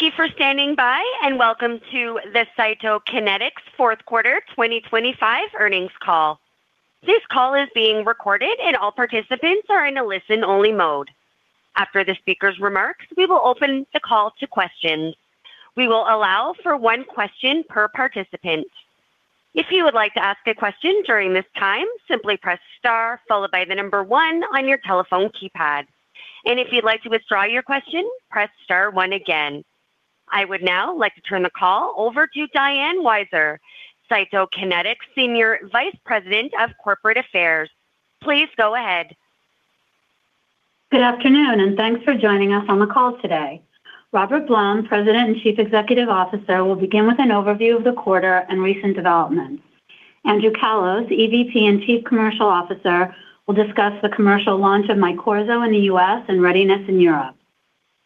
Thank you for standing by. Welcome to the Cytokinetics Fourth Quarter 2025 earnings call. This call is being recorded. All participants are in a listen-only mode. After the speaker's remarks, we will open the call to questions. We will allow for one question per participant. If you would like to ask a question during this time, simply press star followed by one on your telephone keypad. If you'd like to withdraw your question, press star one again. I would now like to turn the call over to Diane Weiser, Cytokinetics Senior Vice President of Corporate Affairs. Please go ahead. Good afternoon. Thanks for joining us on the call today. Robert Blum, President and Chief Executive Officer, will begin with an overview of the quarter and recent developments. Andrew Callos, EVP and Chief Commercial Officer, will discuss the commercial launch of MYQORZO in the U.S. and readiness in Europe.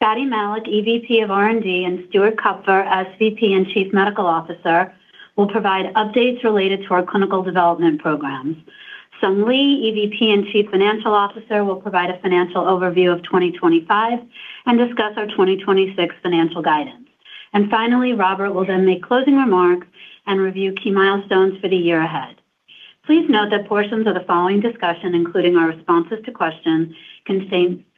Fady Malik, EVP of R&D, and Stuart Kupfer, SVP and Chief Medical Officer, will provide updates related to our clinical development programs. Sung Lee, EVP and Chief Financial Officer, will provide a financial overview of 2025 and discuss our 2026 financial guidance. Finally, Robert will then make closing remarks and review key milestones for the year ahead. Please note that portions of the following discussion, including our responses to questions,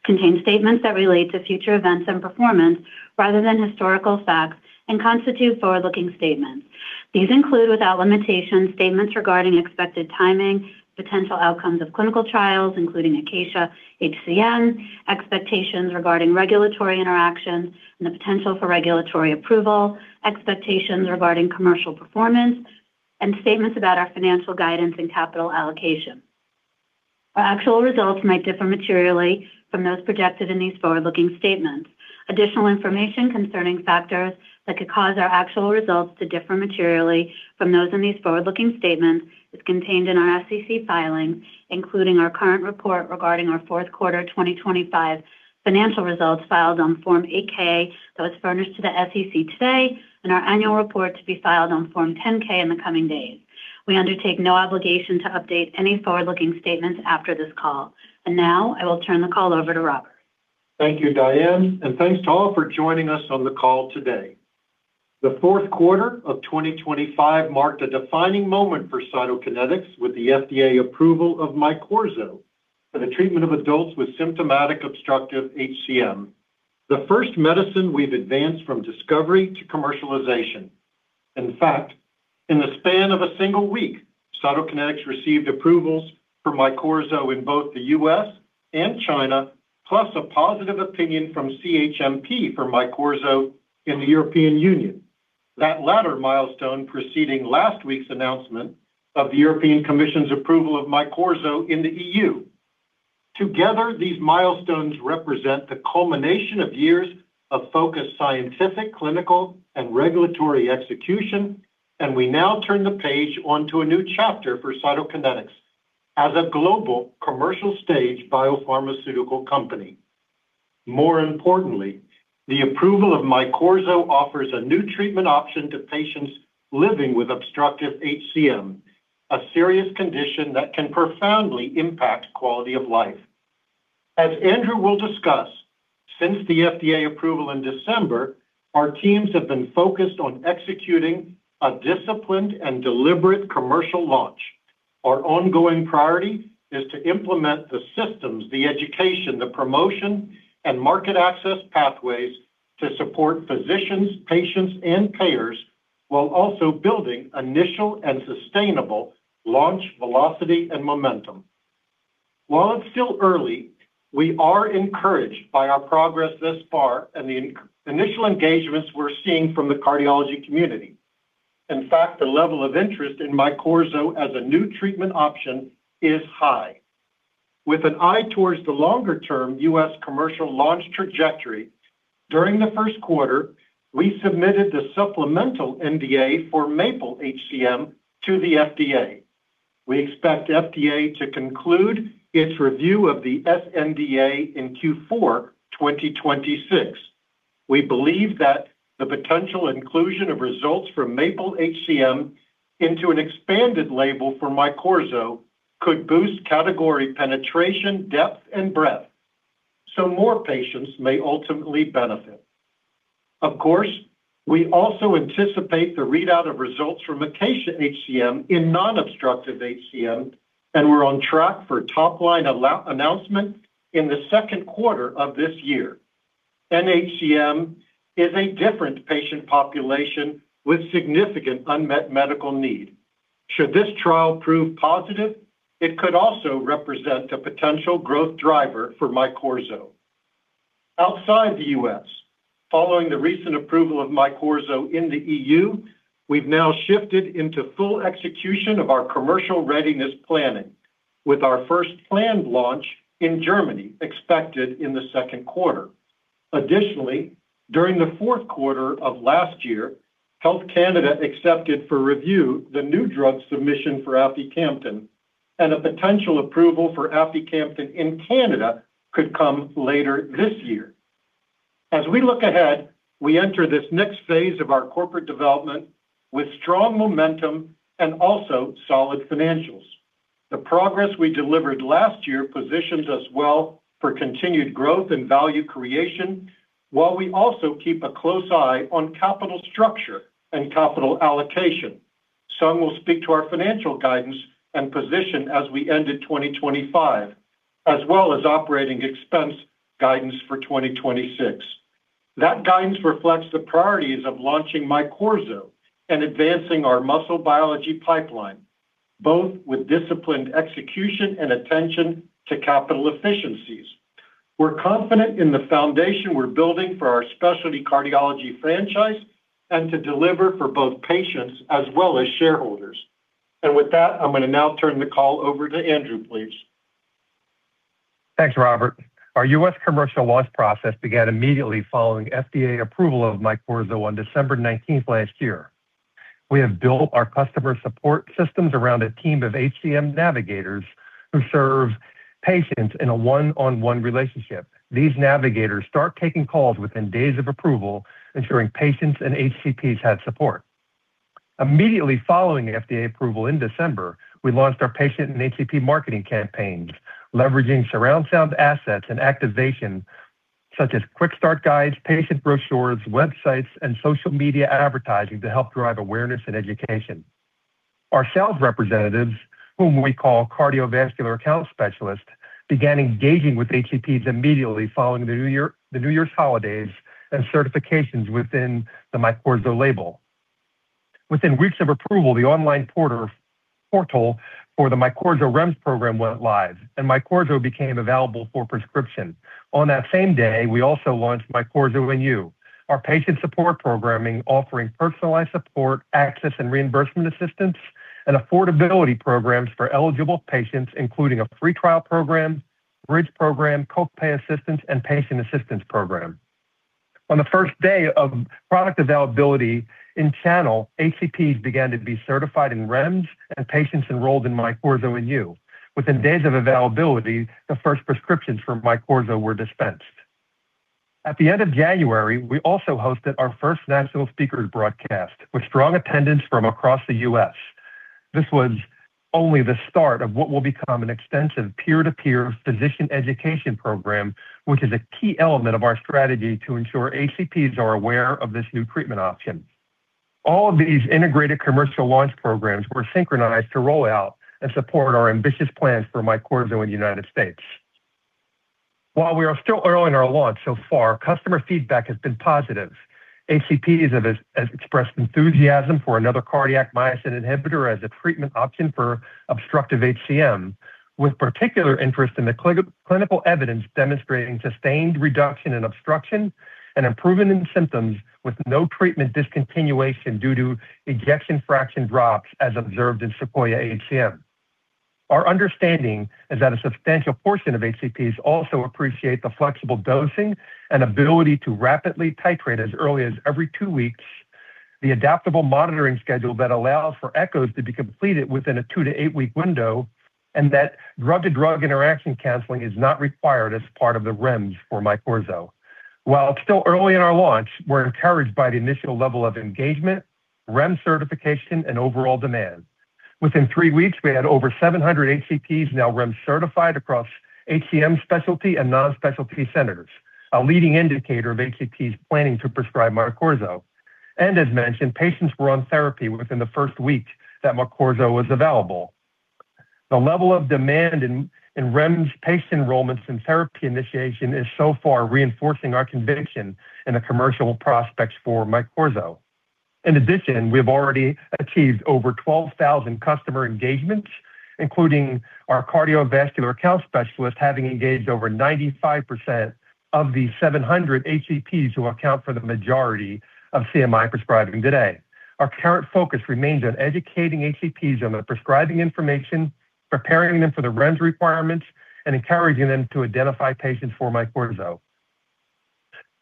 contain statements that relate to future events and performance rather than historical facts and constitute forward-looking statements. These include, without limitation, statements regarding expected timing, potential outcomes of clinical trials, including ACACIA-HCM, expectations regarding regulatory interactions and the potential for regulatory approval, expectations regarding commercial performance, and statements about our financial guidance and capital allocation. Our actual results might differ materially from those projected in these forward-looking statements. Additional information concerning factors that could cause our actual results to differ materially from those in these forward-looking statements is contained in our SEC filings, including our current report regarding our fourth quarter 2025 financial results filed on Form 8-K that was furnished to the SEC today and our annual report to be filed on Form 10-K in the coming days. We undertake no obligation to update any forward-looking statements after this call. Now I will turn the call over to Robert. Thank you, Diane. Thanks to all for joining us on the call today. The fourth quarter of 2025 marked a defining moment for Cytokinetics with the FDA approval of MYQORZO for the treatment of adults with symptomatic obstructive HCM, the first medicine we've advanced from discovery to commercialization. In fact, in the span of a single week, Cytokinetics received approvals for MYQORZO in both the U.S. and China, plus a positive opinion from CHMP for MYQORZO in the European Union. That latter milestone preceding last week's announcement of the European Commission's approval of MYQORZO in the EU. Together, these milestones represent the culmination of years of focused scientific, clinical, and regulatory execution. We now turn the page onto a new chapter for Cytokinetics as a global commercial-stage biopharmaceutical company. More importantly, the approval of MYQORZO offers a new treatment option to patients living with obstructive HCM, a serious condition that can profoundly impact quality of life. As Andrew will discuss, since the FDA approval in December, our teams have been focused on executing a disciplined and deliberate commercial launch. Our ongoing priority is to implement the systems, the education, the promotion, and market access pathways to support physicians, patients, and payers, while also building initial and sustainable launch velocity and momentum. While it's still early, we are encouraged by our progress thus far and the initial engagements we're seeing from the cardiology community. In fact, the level of interest in MYQORZO as a new treatment option is high. With an eye towards the longer-term U.S. commercial launch trajectory, during the first quarter, we submitted the supplemental NDA for MAPLE-HCM to the FDA. We expect FDA to conclude its review of the sNDA in Q4 2026. We believe that the potential inclusion of results from MAPLE-HCM into an expanded label for MYQORZO could boost category penetration, depth, and breadth, so more patients may ultimately benefit. Of course, we also anticipate the readout of results from ACACIA-HCM in non-obstructive HCM, and we're on track for top-line announcement in the second quarter of this year. In HCM is a different patient population with significant unmet medical need. Should this trial prove positive, it could also represent a potential growth driver for MYQORZO. Outside the U.S., following the recent approval of MYQORZO in the EU, we've now shifted into full execution of our commercial readiness planning, with our first planned launch in Germany expected in the second quarter. Additionally, during the fourth quarter of last year, Health Canada accepted for review the new drug submission for aficamten. A potential approval for aficamten in Canada could come later this year. As we look ahead, we enter this next phase of our corporate development with strong momentum also solid financials. The progress we delivered last year positions us well for continued growth and value creation while we also keep a close eye on capital structure and capital allocation. Some will speak to our financial guidance and position as we end in 2025, as well as operating expense guidance for 2026. That guidance reflects the priorities of launching MYQORZO and advancing our muscle biology pipeline, both with disciplined execution and attention to capital efficiencies. We're confident in the foundation we're building for our specialty cardiology franchise and to deliver for both patients as well as shareholders. With that, I'm going to now turn the call over to Andrew, please. Thanks, Robert. Our U.S. commercial launch process began immediately following FDA approval of MYQORZO on December 19th last year. We have built our customer support systems around a team of HCM Navigators who serve patients in a one-on-one relationship. These Navigators start taking calls within days of approval, ensuring patients and HCPs have support. Immediately following the FDA approval in December, we launched our patient and HCP marketing campaigns, leveraging surround sound assets and activation, such as quick start guides, patient brochures, websites, and social media advertising to help drive awareness and education. Our sales representatives, whom we call Cardiovascular Account Specialists, began engaging with HCPs immediately following the New Year's holidays and certifications within the MYQORZO label. Within weeks of approval, the online portal for the MYQORZO REMS program went live, and MYQORZO became available for prescription. On that same day, we also launched MYQORZO & You, our patient support programming, offering personalized support, access and reimbursement assistance, and affordability programs for eligible patients, including a free trial program, bridge program, copay assistance, and patient assistance program. On the first day of product availability in channel, HCPs began to be certified in REMS and patients enrolled in MYQORZO & You. Within days of availability, the first prescriptions for MYQORZO were dispensed. At the end of January, we also hosted our first national speaker broadcast, with strong attendance from across the U.S. This was only the start of what will become an extensive peer-to-peer physician education program, which is a key element of our strategy to ensure HCPs are aware of this new treatment option. All of these integrated commercial launch programs were synchronized to roll out and support our ambitious plans for MYQORZO in the United States. While we are still early in our launch, so far, customer feedback has been positive. HCPs have expressed enthusiasm for another cardiac myosin inhibitor as a treatment option for obstructive HCM, with particular interest in the clinical evidence demonstrating sustained reduction in obstruction and improvement in symptoms with no treatment discontinuation due to ejection fraction drops, as observed in SEQUOIA-HCM. Our understanding is that a substantial portion of HCPs also appreciate the flexible dosing and ability to rapidly titrate as early as every two weeks, the adaptable monitoring schedule that allows for echoes to be completed within a two to eight-week window, and that drug-to-drug interaction counseling is not required as part of the REMS for MYQORZO. While it's still early in our launch, we're encouraged by the initial level of engagement, REMS certification, and overall demand. Within three weeks, we had over 700 HCPs now REMS certified across HCM specialty and non-specialty centers, a leading indicator of HCPs planning to prescribe MYQORZO. As mentioned, patients were on therapy within the first week that MYQORZO was available. The level of demand in REMS patient enrollments and therapy initiation is so far reinforcing our conviction in the commercial prospects for MYQORZO. In addition, we've already achieved over 12,000 customer engagements, including our Cardiovascular Account Specialists, having engaged over 95% of the 700 HCPs who account for the majority of CMI prescribing today. Our current focus remains on educating HCPs on the prescribing information, preparing them for the REMS requirements, and encouraging them to identify patients for MYQORZO.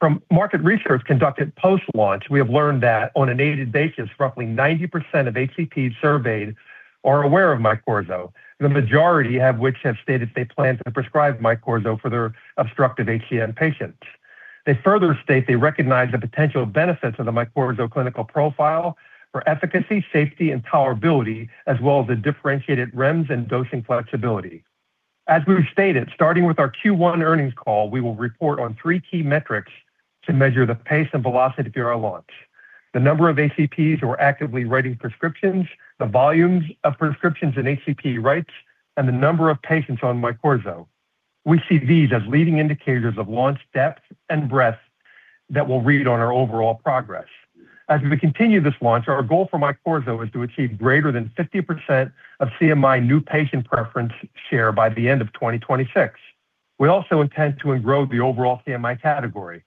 From market research conducted post-launch, we have learned that on a needed basis, roughly 90% of HCPs surveyed are aware of MYQORZO. The majority have, which have stated they plan to prescribe MYQORZO for their obstructive HCM patients. They further state they recognize the potential benefits of the MYQORZO clinical profile for efficacy, safety, and tolerability, as well as the differentiated REMS and dosing flexibility. As we've stated, starting with our Q1 earnings call, we will report on three key metrics to measure the pace and velocity of our launch. The number of HCPs who are actively writing prescriptions, the volumes of prescriptions an HCP writes, and the number of patients on MYQORZO. We see these as leading indicators of launch depth and breadth that will read on our overall progress. As we continue this launch, our goal for MYQORZO is to achieve greater than 50% of CMI new patient preference share by the end of 2026. We also intend to engrow the overall CMI category.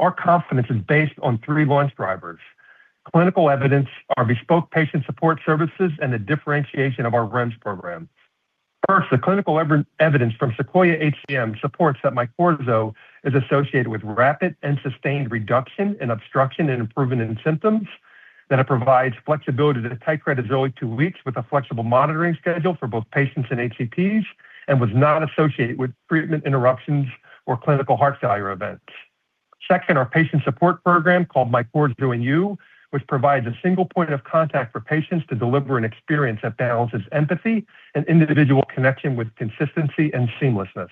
Our confidence is based on three launch drivers: clinical evidence, our bespoke patient support services, and the differentiation of our REMS program. The clinical evidence from SEQUOIA-HCM supports that MYQORZO is associated with rapid and sustained reduction in obstruction and improvement in symptoms, that it provides flexibility to titrate as early two weeks with a flexible monitoring schedule for both patients and HCPs, and was not associated with treatment interruptions or clinical heart failure events. Our patient support program called MYQORZO & You, which provides a single point of contact for patients to deliver an experience that balances empathy and individual connection with consistency and seamlessness.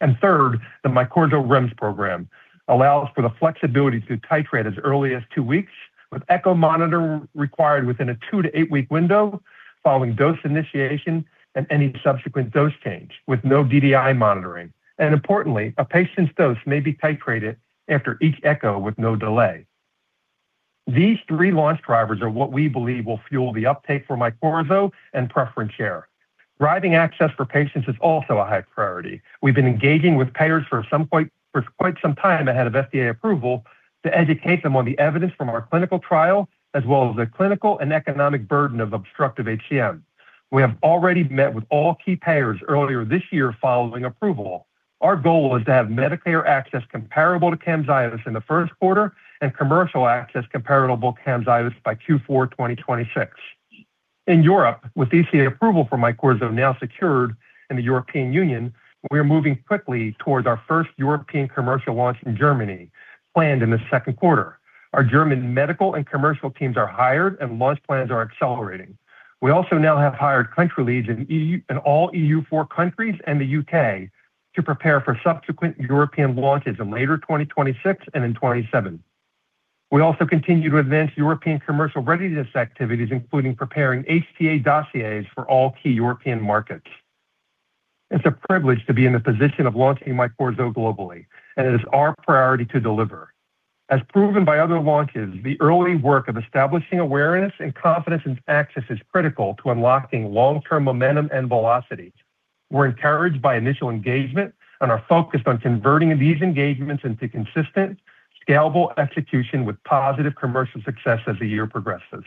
The MYQORZO REMS program allows for the flexibility to titrate as early as two weeks, with echo monitor required within a two to eight-week window following dose initiation and any subsequent dose change, with no DDI monitoring. Importantly, a patient's dose may be titrated after each echo with no delay. These three launch drivers are what we believe will fuel the uptake for MYQORZO and preference share. Driving access for patients is also a high priority. We've been engaging with payers for quite some time ahead of FDA approval, to educate them on the evidence from our clinical trial, as well as the clinical and economic burden of obstructive HCM. We have already met with all key payers earlier this year following approval. Our goal is to have Medicare access comparable to Camzyos in the first quarter and commercial access comparable to Camzyos by Q4 2026. In Europe, with EC approval for MYQORZO now secured in the European Union, we are moving quickly towards our first European commercial launch in Germany, planned in the second quarter. Our German medical and commercial teams are hired, and launch plans are accelerating. We also now have hired country leads in EU, in all EU four countries and the U.K. to prepare for subsequent European launches in later 2026 and in 2027. We also continue to advance European commercial readiness activities, including preparing HTA dossiers for all key European markets. It's a privilege to be in the position of launching MYQORZO globally, and it is our priority to deliver. As proven by other launches, the early work of establishing awareness and confidence in access is critical to unlocking long-term momentum and velocity. We're encouraged by initial engagement and are focused on converting these engagements into consistent, scalable execution with positive commercial success as the year progresses.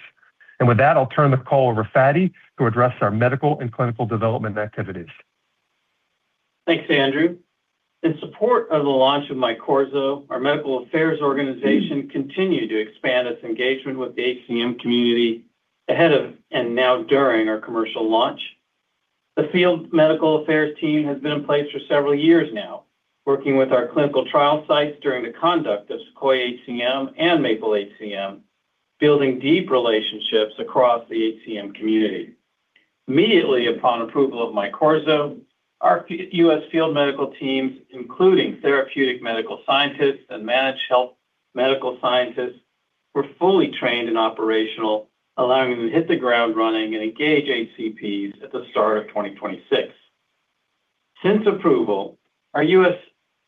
With that, I'll turn the call over to Fady to address our medical and clinical development activities. Thanks, Andrew. In support of the launch of MYQORZO, our medical affairs organization continued to expand its engagement with the HCM community ahead of, and now during our commercial launch. The field medical affairs team has been in place for several years now, working with our clinical trial sites during the conduct of SEQUOIA-HCM and MAPLE-HCM, building deep relationships across the HCM community. Immediately upon approval of MYQORZO, our U.S. field medical teams, including therapeutic medical scientists and managed health medical scientists, were fully trained and operational, allowing them to hit the ground running and engage HCPs at the start of 2026. Since approval, our U.S.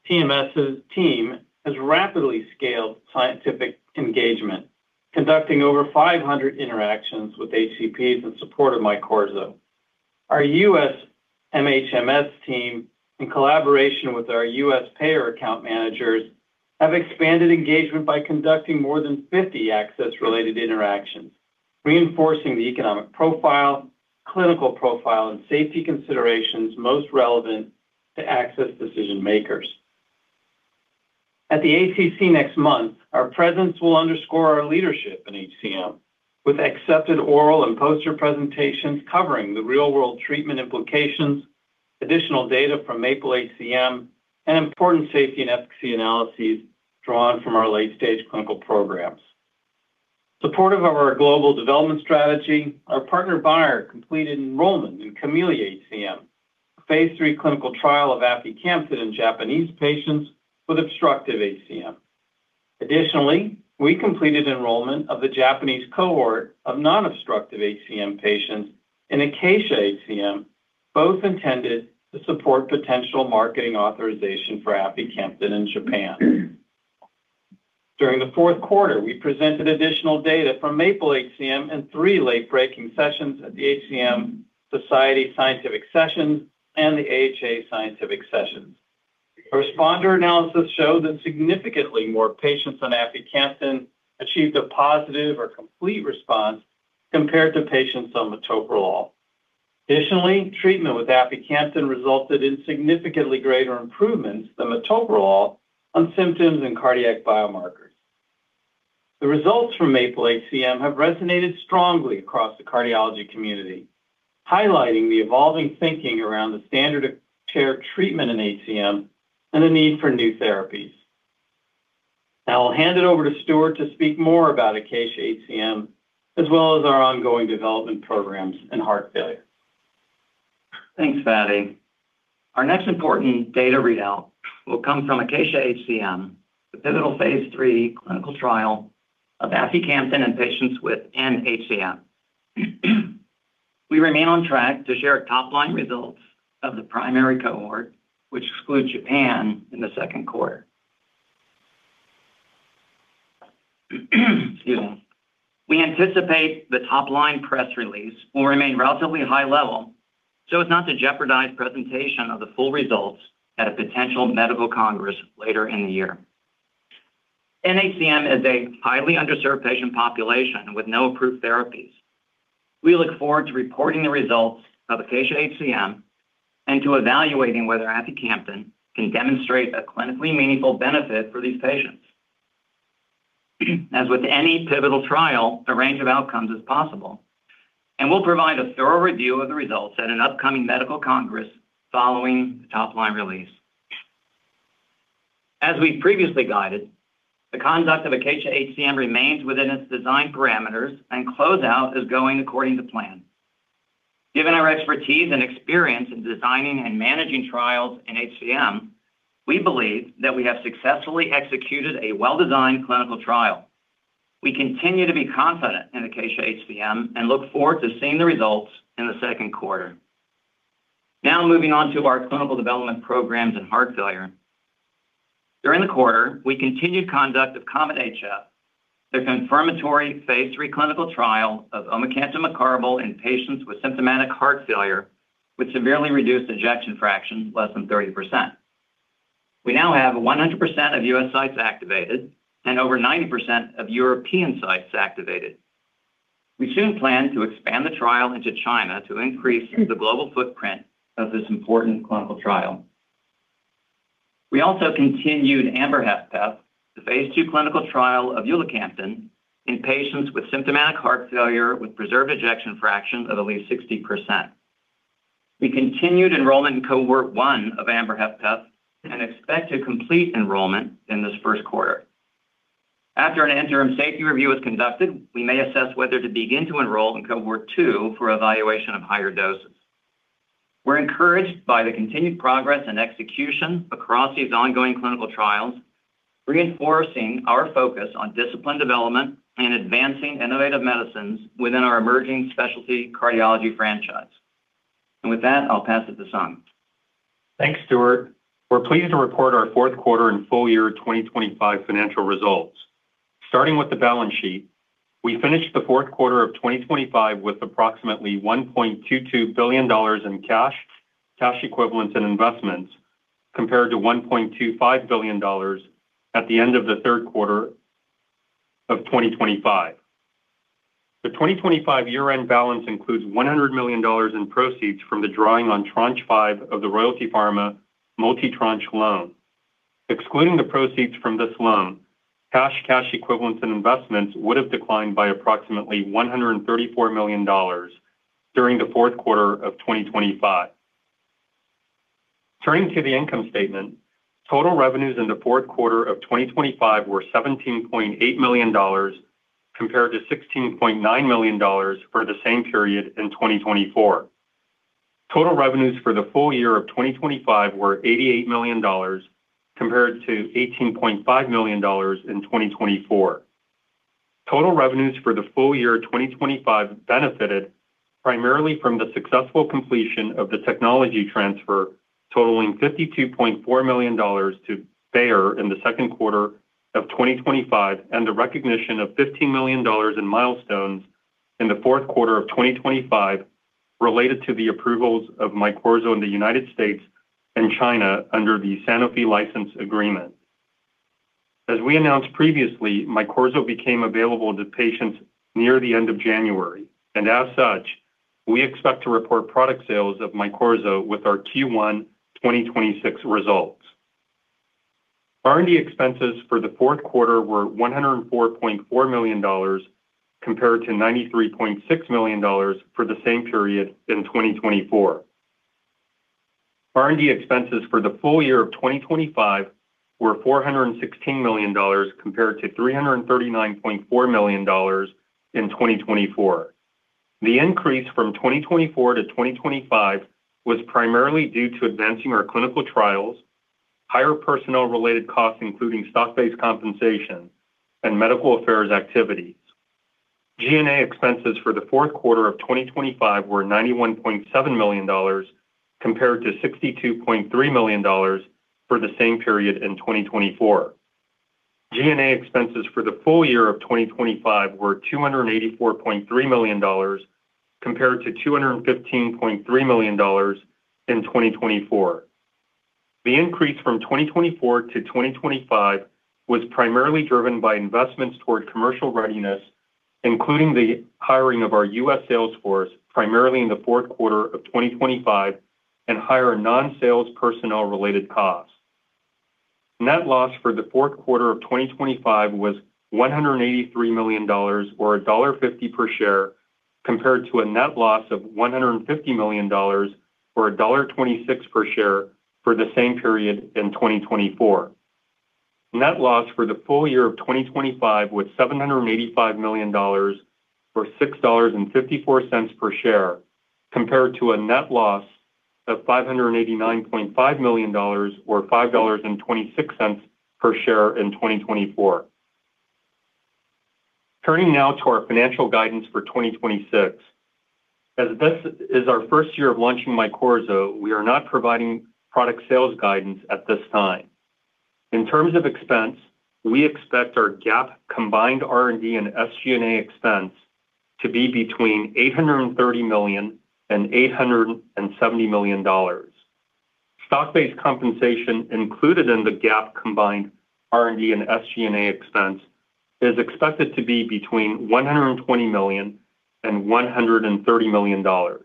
TMS's team has rapidly scaled scientific engagement, conducting over 500 interactions with HCPs in support of MYQORZO. Our U.S. MHMS team, in collaboration with our U.S. payer account managers, have expanded engagement by conducting more than 50 access-related interactions, reinforcing the economic profile, clinical profile, and safety considerations most relevant to access decision-makers. At the ACC next month, our presence will underscore our leadership in HCM, with accepted oral and poster presentations covering the real-world treatment implications, additional data from MAPLE-HCM, and important safety and efficacy analyses drawn from our late-stage clinical programs. Supportive of our global development strategy, our partner, Bayer, completed enrollment in CAMELLIA-HCM, a phase III clinical trial of aficamten in Japanese patients with obstructive HCM. We completed enrollment of the Japanese cohort of non-obstructive HCM patients in ACACIA-HCM, both intended to support potential marketing authorization for aficamten in Japan. During the fourth quarter, we presented additional data from MAPLE-HCM in three late-breaking sessions at the HCM Society Scientific Sessions and the AHA Scientific Sessions. A responder analysis showed that significantly more patients on aficamten achieved a positive or complete response compared to patients on metoprolol. Additionally, treatment with aficamten resulted in significantly greater improvements than metoprolol on symptoms and cardiac biomarkers. The results from MAPLE-HCM have resonated strongly across the cardiology community, highlighting the evolving thinking around the standard of care treatment in HCM and the need for new therapies. Now, I'll hand it over to Stuart to speak more about ACACIA-HCM, as well as our ongoing development programs in heart failure. Thanks, Fady. Our next important data readout will come from ACACIA-HCM, the pivotal Phase III clinical trial of aficamten in patients with HCM. We remain on track to share top-line results of the primary cohort, which exclude Japan, in the second quarter. Excuse me. We anticipate the top-line press release will remain relatively high level, so as not to jeopardize presentation of the full results at a potential medical congress later in the year. In HCM is a highly underserved patient population with no approved therapies. We look forward to reporting the results of ACACIA-HCM and to evaluating whether aficamten can demonstrate a clinically meaningful benefit for these patients.... As with any pivotal trial, a range of outcomes is possible, and we'll provide a thorough review of the results at an upcoming medical congress following the top-line release. As we've previously guided, the conduct of ACACIA-HCM remains within its design parameters, and closeout is going according to plan. Given our expertise and experience in designing and managing trials in HCM, we believe that we have successfully executed a well-designed clinical trial. We continue to be confident in ACACIA-HCM and look forward to seeing the results in the second quarter. Moving on to our clinical development programs in heart failure. During the quarter, we continued conduct of COMET-HF, the confirmatory phase III clinical trial of omecamtiv mecarbil in patients with symptomatic heart failure, with severely reduced ejection fraction, less than 30%. We now have 100% of U.S. sites activated and over 90% of European sites activated. We soon plan to expand the trial into China to increase the global footprint of this important clinical trial. We also continued AMBER-HFpEF, the Phase II clinical trial of ulacamten in patients with symptomatic heart failure, with preserved ejection fraction of at least 60%. We continued enrollment in Cohort 1 of AMBER-HFpEF and expect to complete enrollment in this 1st quarter. After an interim safety review is conducted, we may assess whether to begin to enroll in cohort 2 for evaluation of higher doses. We're encouraged by the continued progress and execution across these ongoing clinical trials, reinforcing our focus on discipline development and advancing innovative medicines within our emerging specialty cardiology franchise. With that, I'll pass it to Sung. Thanks, Stuart. We're pleased to report our fourth quarter and full year 2025 financial results. Starting with the balance sheet, we finished the fourth quarter of 2025 with approximately $1.22 billion in cash equivalents, and investments, compared to $1.25 billion at the end of the third quarter of 2025. The 2025 year-end balance includes $100 million in proceeds from the drawing on Tranche 5 of the Royalty Pharma Multi Tranche Loan. Excluding the proceeds from this loan, cash equivalents, and investments would have declined by approximately $134 million during the fourth quarter of 2025. Turning to the income statement. Total revenues in the fourth quarter of 2025 were $17.8 million, compared to $16.9 million for the same period in 2024. Total revenues for the full year of 2025 were $88 million, compared to $18.5 million in 2024. Total revenues for the full year 2025 benefited primarily from the successful completion of the technology transfer, totaling $52.4 million to Bayer in the second quarter of 2025, and the recognition of $15 million in milestones in the fourth quarter of 2025 related to the approvals of MYQORZO in the United States and China under the Sanofi license agreement. As we announced previously, MYQORZO became available to patients near the end of January, and as such, we expect to report product sales of MYQORZO with our Q1 2026 results. R&D expenses for the fourth quarter were $104.4 million, compared to $93.6 million for the same period in 2024. R&D expenses for the full year of 2025 were $416 million, compared to $339.4 million in 2024. The increase from 2024-2025 was primarily due to advancing our clinical trials, higher personnel-related costs, including stock-based compensation and medical affairs activities. G&A expenses for the fourth quarter of 2025 were $91.7 million, compared to $62.3 million for the same period in 2024. G&A expenses for the full year of 2025 were $284.3 million, compared to $215.3 million in 2024. The increase from 2024-2025 was primarily driven by investments toward commercial readiness, including the hiring of our U.S. sales force, primarily in the fourth quarter of 2025, and higher non-sales personnel-related costs. Net loss for the fourth quarter of 2025 was $183 million or $1.50 per share, compared to a net loss of $150 million or $1.26 per share for the same period in 2024. Net loss for the full year of 2025 was $785 million or $6.54 per share, compared to a net loss of $589.5 million or $5.26 per share in 2024. Turning now to our financial guidance for 2026. As this is our first year of launching MYQORZO, we are not providing product sales guidance at this time. In terms of expense, we expect our GAAP combined R&D and SG&A expense to be between $830 million and $870 million. Stock-based compensation included in the GAAP combined R&D and SG&A expense is expected to be between $120 million and $130 million.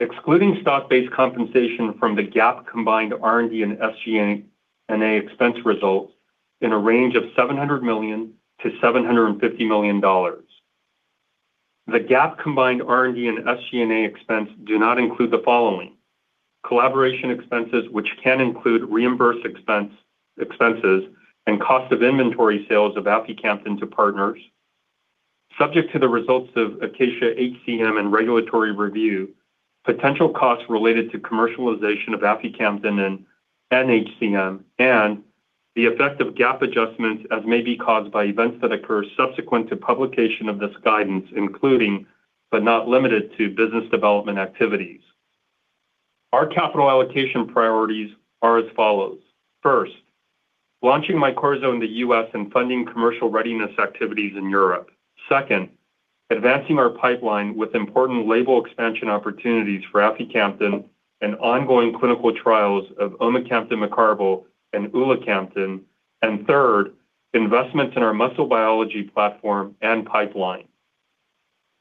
Excluding stock-based compensation from the GAAP combined R&D and SG&A expense results in a range of $700 million-$750 million. The GAAP combined R&D and SG&A expense do not include the following: collaboration expenses, which can include reimbursed expense, expenses, and cost of inventory sales of aficamten to partners, subject to the results of ACACIA-HCM and regulatory review, potential costs related to commercialization of aficamten and HCM, and the effect of GAAP adjustments as may be caused by events that occur subsequent to publication of this guidance, including but not limited to, business development activities. Our capital allocation priorities are as follows. First, launching MYQORZO in the U.S. and funding commercial readiness activities in Europe. Second, advancing our pipeline with important label expansion opportunities for aficamten and ongoing clinical trials of omecamtiv mecarbil and ulacamten. Third, investments in our muscle biology platform and pipeline.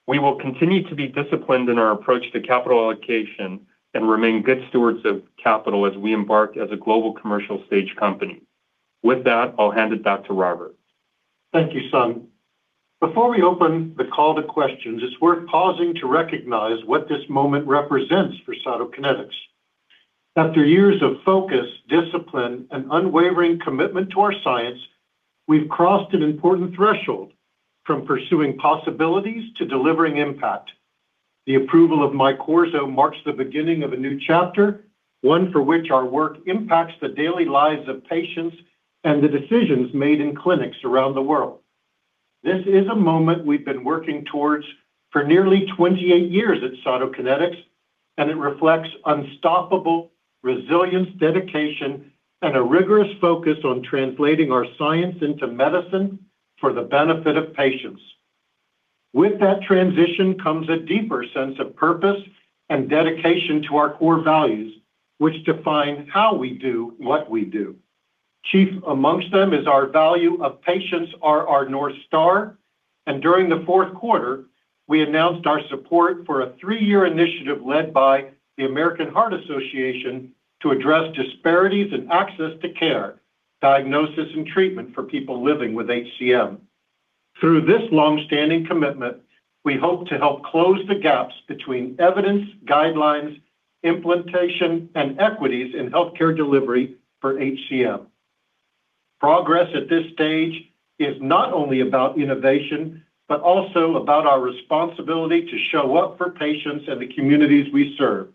We will continue to be disciplined in our approach to capital allocation and remain good stewards of capital as we embark as a global commercial stage company. With that, I'll hand it back to Robert. Thank you, Sung. Before we open the call to questions, it's worth pausing to recognize what this moment represents for Cytokinetics. After years of focus, discipline, and unwavering commitment to our science, we've crossed an important threshold from pursuing possibilities to delivering impact. The approval of MYQORZO marks the beginning of a new chapter, one for which our work impacts the daily lives of patients and the decisions made in clinics around the world. This is a moment we've been working towards for nearly 28 years at Cytokinetics, and it reflects unstoppable resilience, dedication, and a rigorous focus on translating our science into medicine for the benefit of patients. With that transition comes a deeper sense of purpose and dedication to our core values, which define how we do what we do. Chief amongst them is our value of patients are our north star. During the fourth quarter, we announced our support for a three-year initiative led by the American Heart Association to address disparities in access to care, diagnosis, and treatment for people living with HCM. Through this long-standing commitment, we hope to help close the gaps between evidence, guidelines, implementation, and equities in healthcare delivery for HCM. Progress at this stage is not only about innovation, but also about our responsibility to show up for patients and the communities we serve.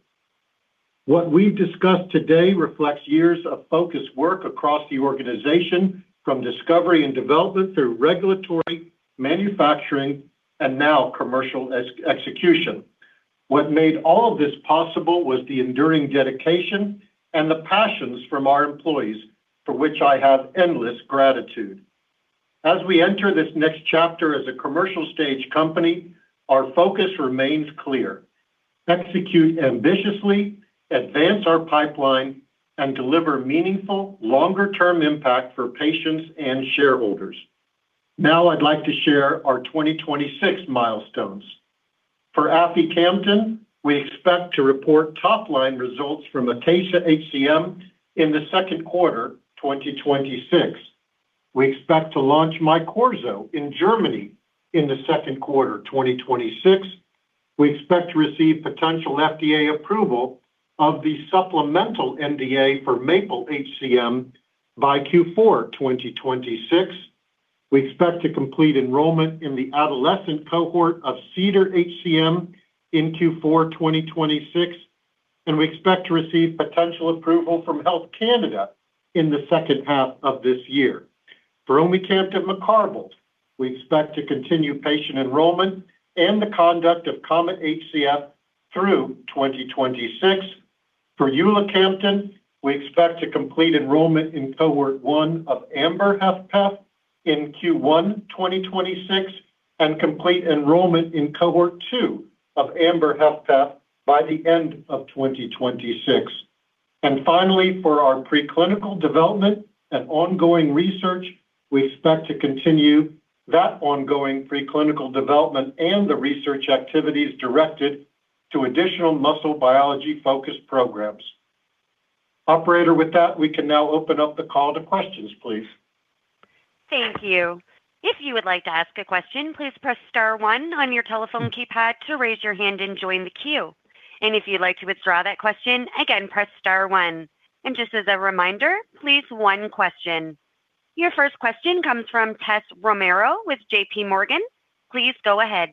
What we've discussed today reflects years of focused work across the organization, from discovery and development through regulatory, manufacturing, and now commercial ex-execution. What made all of this possible was the enduring dedication and the passions from our employees, for which I have endless gratitude. As we enter this next chapter as a commercial stage company, our focus remains clear: execute ambitiously, advance our pipeline, and deliver meaningful, longer-term impact for patients and shareholders. I'd like to share our 2026 milestones. For aficamten, we expect to report top-line results from ACACIA-HCM in the second quarter, 2026. We expect to launch MYQORZO in Germany in the second quarter, 2026. We expect to receive potential FDA approval of the supplemental NDA for MAPLE-HCM by Q4, 2026. We expect to complete enrollment in the adolescent cohort of CEDAR-HCM in Q4, 2026, and we expect to receive potential approval from Health Canada in the second half of this year. For omecamtiv mecarbil, we expect to continue patient enrollment and the conduct of COMET-HF through 2026. For ulacamten, we expect to complete enrollment in Cohort 1 of AMBER-HFpEF in Q1, 2026, and complete enrollment in Cohort 2 of AMBER-HFpEF by the end of 2026. Finally, for our preclinical development and ongoing research, we expect to continue that ongoing preclinical development and the research activities directed to additional muscle biology-focused programs. Operator, with that, we can now open up the call to questions, please. Thank you. If you would like to ask a question, please press star one on your telephone keypad to raise your hand and join the queue. If you'd like to withdraw that question, again, press star one. Just as a reminder, please, one question. Your first question comes from Tessa Romero with J.P. Morgan. Please go ahead.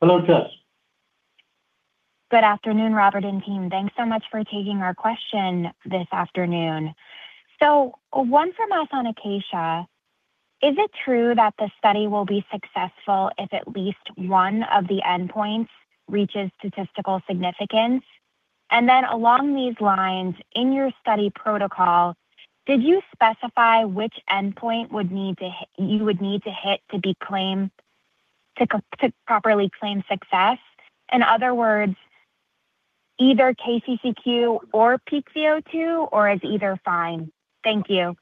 Hello, Tess. Good afternoon, Robert and team. Thanks so much for taking our question this afternoon. One for us on ACACIA-HCM. Is it true that the study will be successful if at least one of the endpoints reaches statistical significance? Along these lines, in your study protocol, did you specify which endpoint you would need to hit to be claimed to properly claim success? In other words, either KCCQ or peak VO2, or is either fine? Thank you.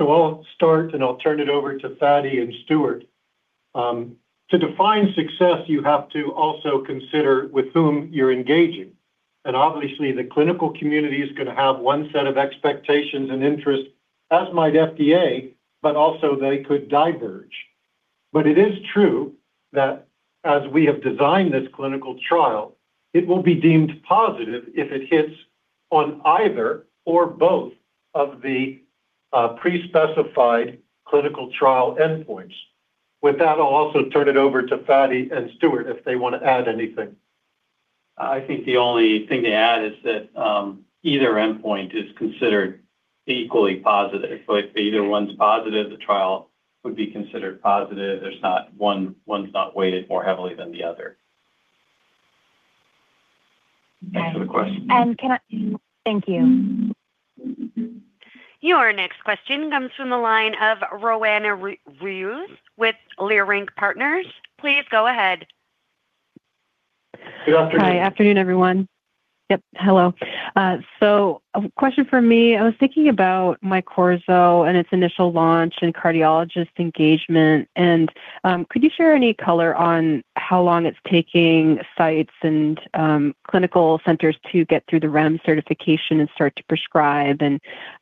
I'll start, and I'll turn it over to Fady and Stuart. To define success, you have to also consider with whom you're engaging. Obviously, the clinical community is going to have one set of expectations and interests, as might FDA, but also they could diverge. It is true that as we have designed this clinical trial, it will be deemed positive if it hits on either or both of the pre-specified clinical trial endpoints. With that, I'll also turn it over to Fady and Stuart if they want to add anything. I think the only thing to add is that, either endpoint is considered equally positive. If either one's positive, the trial would be considered positive. There's not one's not weighted more heavily than the other. Thanks for the question. Thank you. Your next question comes from the line of Roanna Ruiz with Leerink Partners. Please go ahead. Good afternoon. Hi. Afternoon, everyone. Yep, hello. A question from me. I was thinking about MYQORZO and its initial launch and cardiologist engagement. Could you share any color on how long it's taking sites and clinical centers to get through the REMS certification and start to prescribe?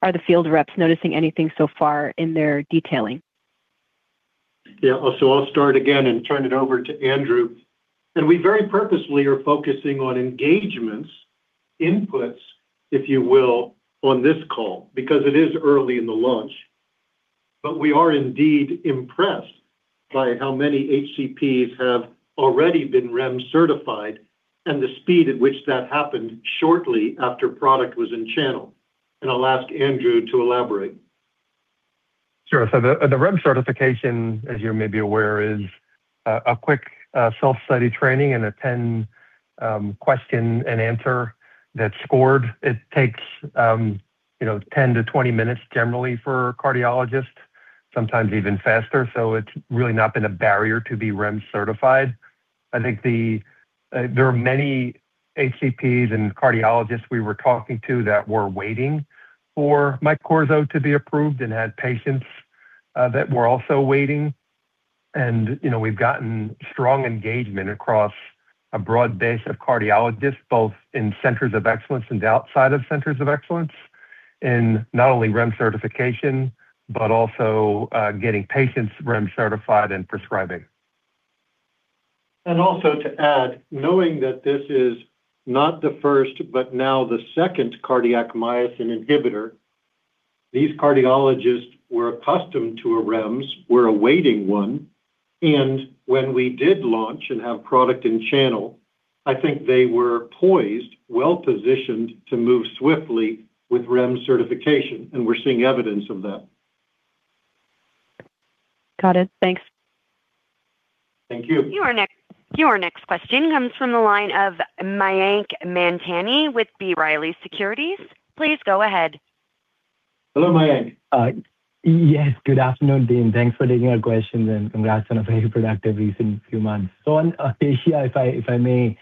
Are the field reps noticing anything so far in their detailing? I'll start again and turn it over to Andrew. We very purposefully are focusing on engagements, inputs, if you will, on this call, because it is early in the launch. We are indeed impressed by how many HCPs have already been REMS certified and the speed at which that happened shortly after product was in channel. I'll ask Andrew to elaborate. Sure. The REMS certification, as you may be aware, is a quick self-study training and a 10 question and answer that's scored. It takes, you know, 10-20 minutes, generally for cardiologists, sometimes even faster. It's really not been a barrier to be REMS certified. I think the there are many HCPs and cardiologists we were talking to that were waiting for MYQORZO to be approved and had patients that were also waiting. You know, we've gotten strong engagement across a broad base of cardiologists, both in centers of excellence and outside of centers of excellence, in not only REMS certification, but also getting patients REMS certified and prescribing. Also to add, knowing that this is not the first, but now the second cardiac myosin inhibitor, these cardiologists were accustomed to a REMS, were awaiting one, and when we did launch and have product and channel, I think they were poised, well-positioned to move swiftly with REMS certification, and we're seeing evidence of that. Got it. Thanks. Thank you. Your next question comes from the line of Mayank Mamtani with B. Riley Securities. Please go ahead. Hello, Mayank. Yes, good afternoon, team. Thanks for taking our questions, congrats on a very productive recent few months. If I may,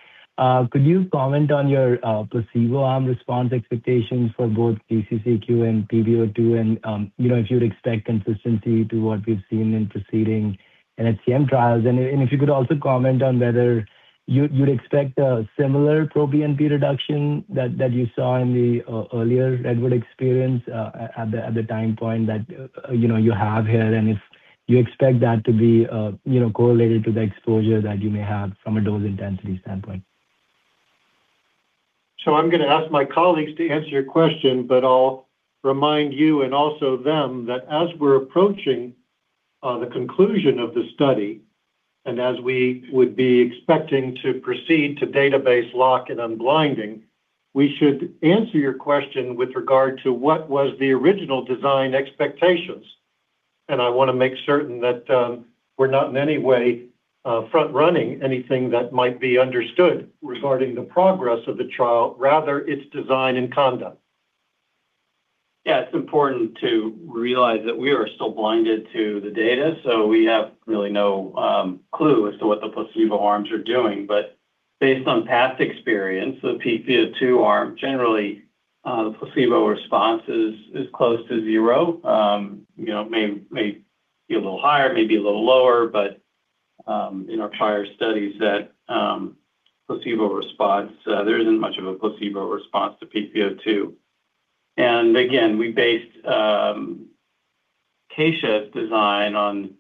could you comment on your placebo arm response expectations for both KCCQ and pVO2, and, you know, if you'd expect consistency to what we've seen in preceding HCM trials? If you could also comment on whether you'd expect a similar proBNP reduction that you saw in the earlier REDWOOD-HCM experience, at the time point that, you know, you have here, and if you expect that to be, you know, correlated to the exposure that you may have from a dose intensity standpoint. I'm going to ask my colleagues to answer your question, but I'll remind you and also them that as we're approaching the conclusion of the study, and as we would be expecting to proceed to database lock and unblinding, we should answer your question with regard to what was the original design expectations. I want to make certain that we're not in any way front-running anything that might be understood regarding the progress of the trial, rather its design and conduct. It's important to realize that we are still blinded to the data, so we have really no clue as to what the placebo arms are doing. Based on past experience, the pVO2 arm, generally, the placebo response is close to zero. You know, may be a little higher, maybe a little lower, but in our prior studies that placebo response, there isn't much of a placebo response to pVO2. Again, we based Katia's design on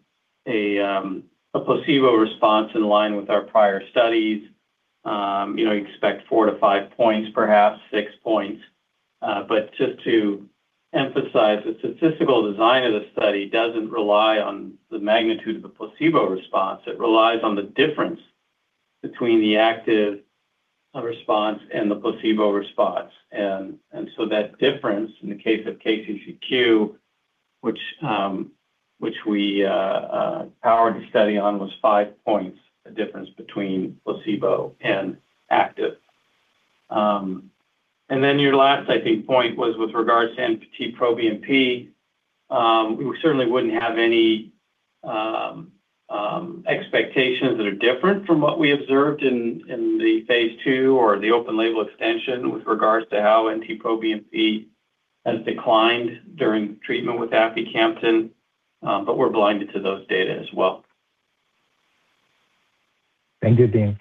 a placebo response in line with our prior studies. You know, you expect four to five points, perhaps six points. Just to emphasize, the statistical design of the study doesn't rely on the magnitude of the placebo response. It relies on the difference between the active response and the placebo response. That difference, in the case of KCCQ, which we, powered the study on, was five points, the difference between placebo and active. Your last, I think, point was with regards to NT-proBNP. We certainly wouldn't have any... expectations that are different from what we observed in the phase II or the open-label extension with regards to how NT-proBNP has declined during treatment with aficamten, but we're blinded to those data as well. Thank you, Dean.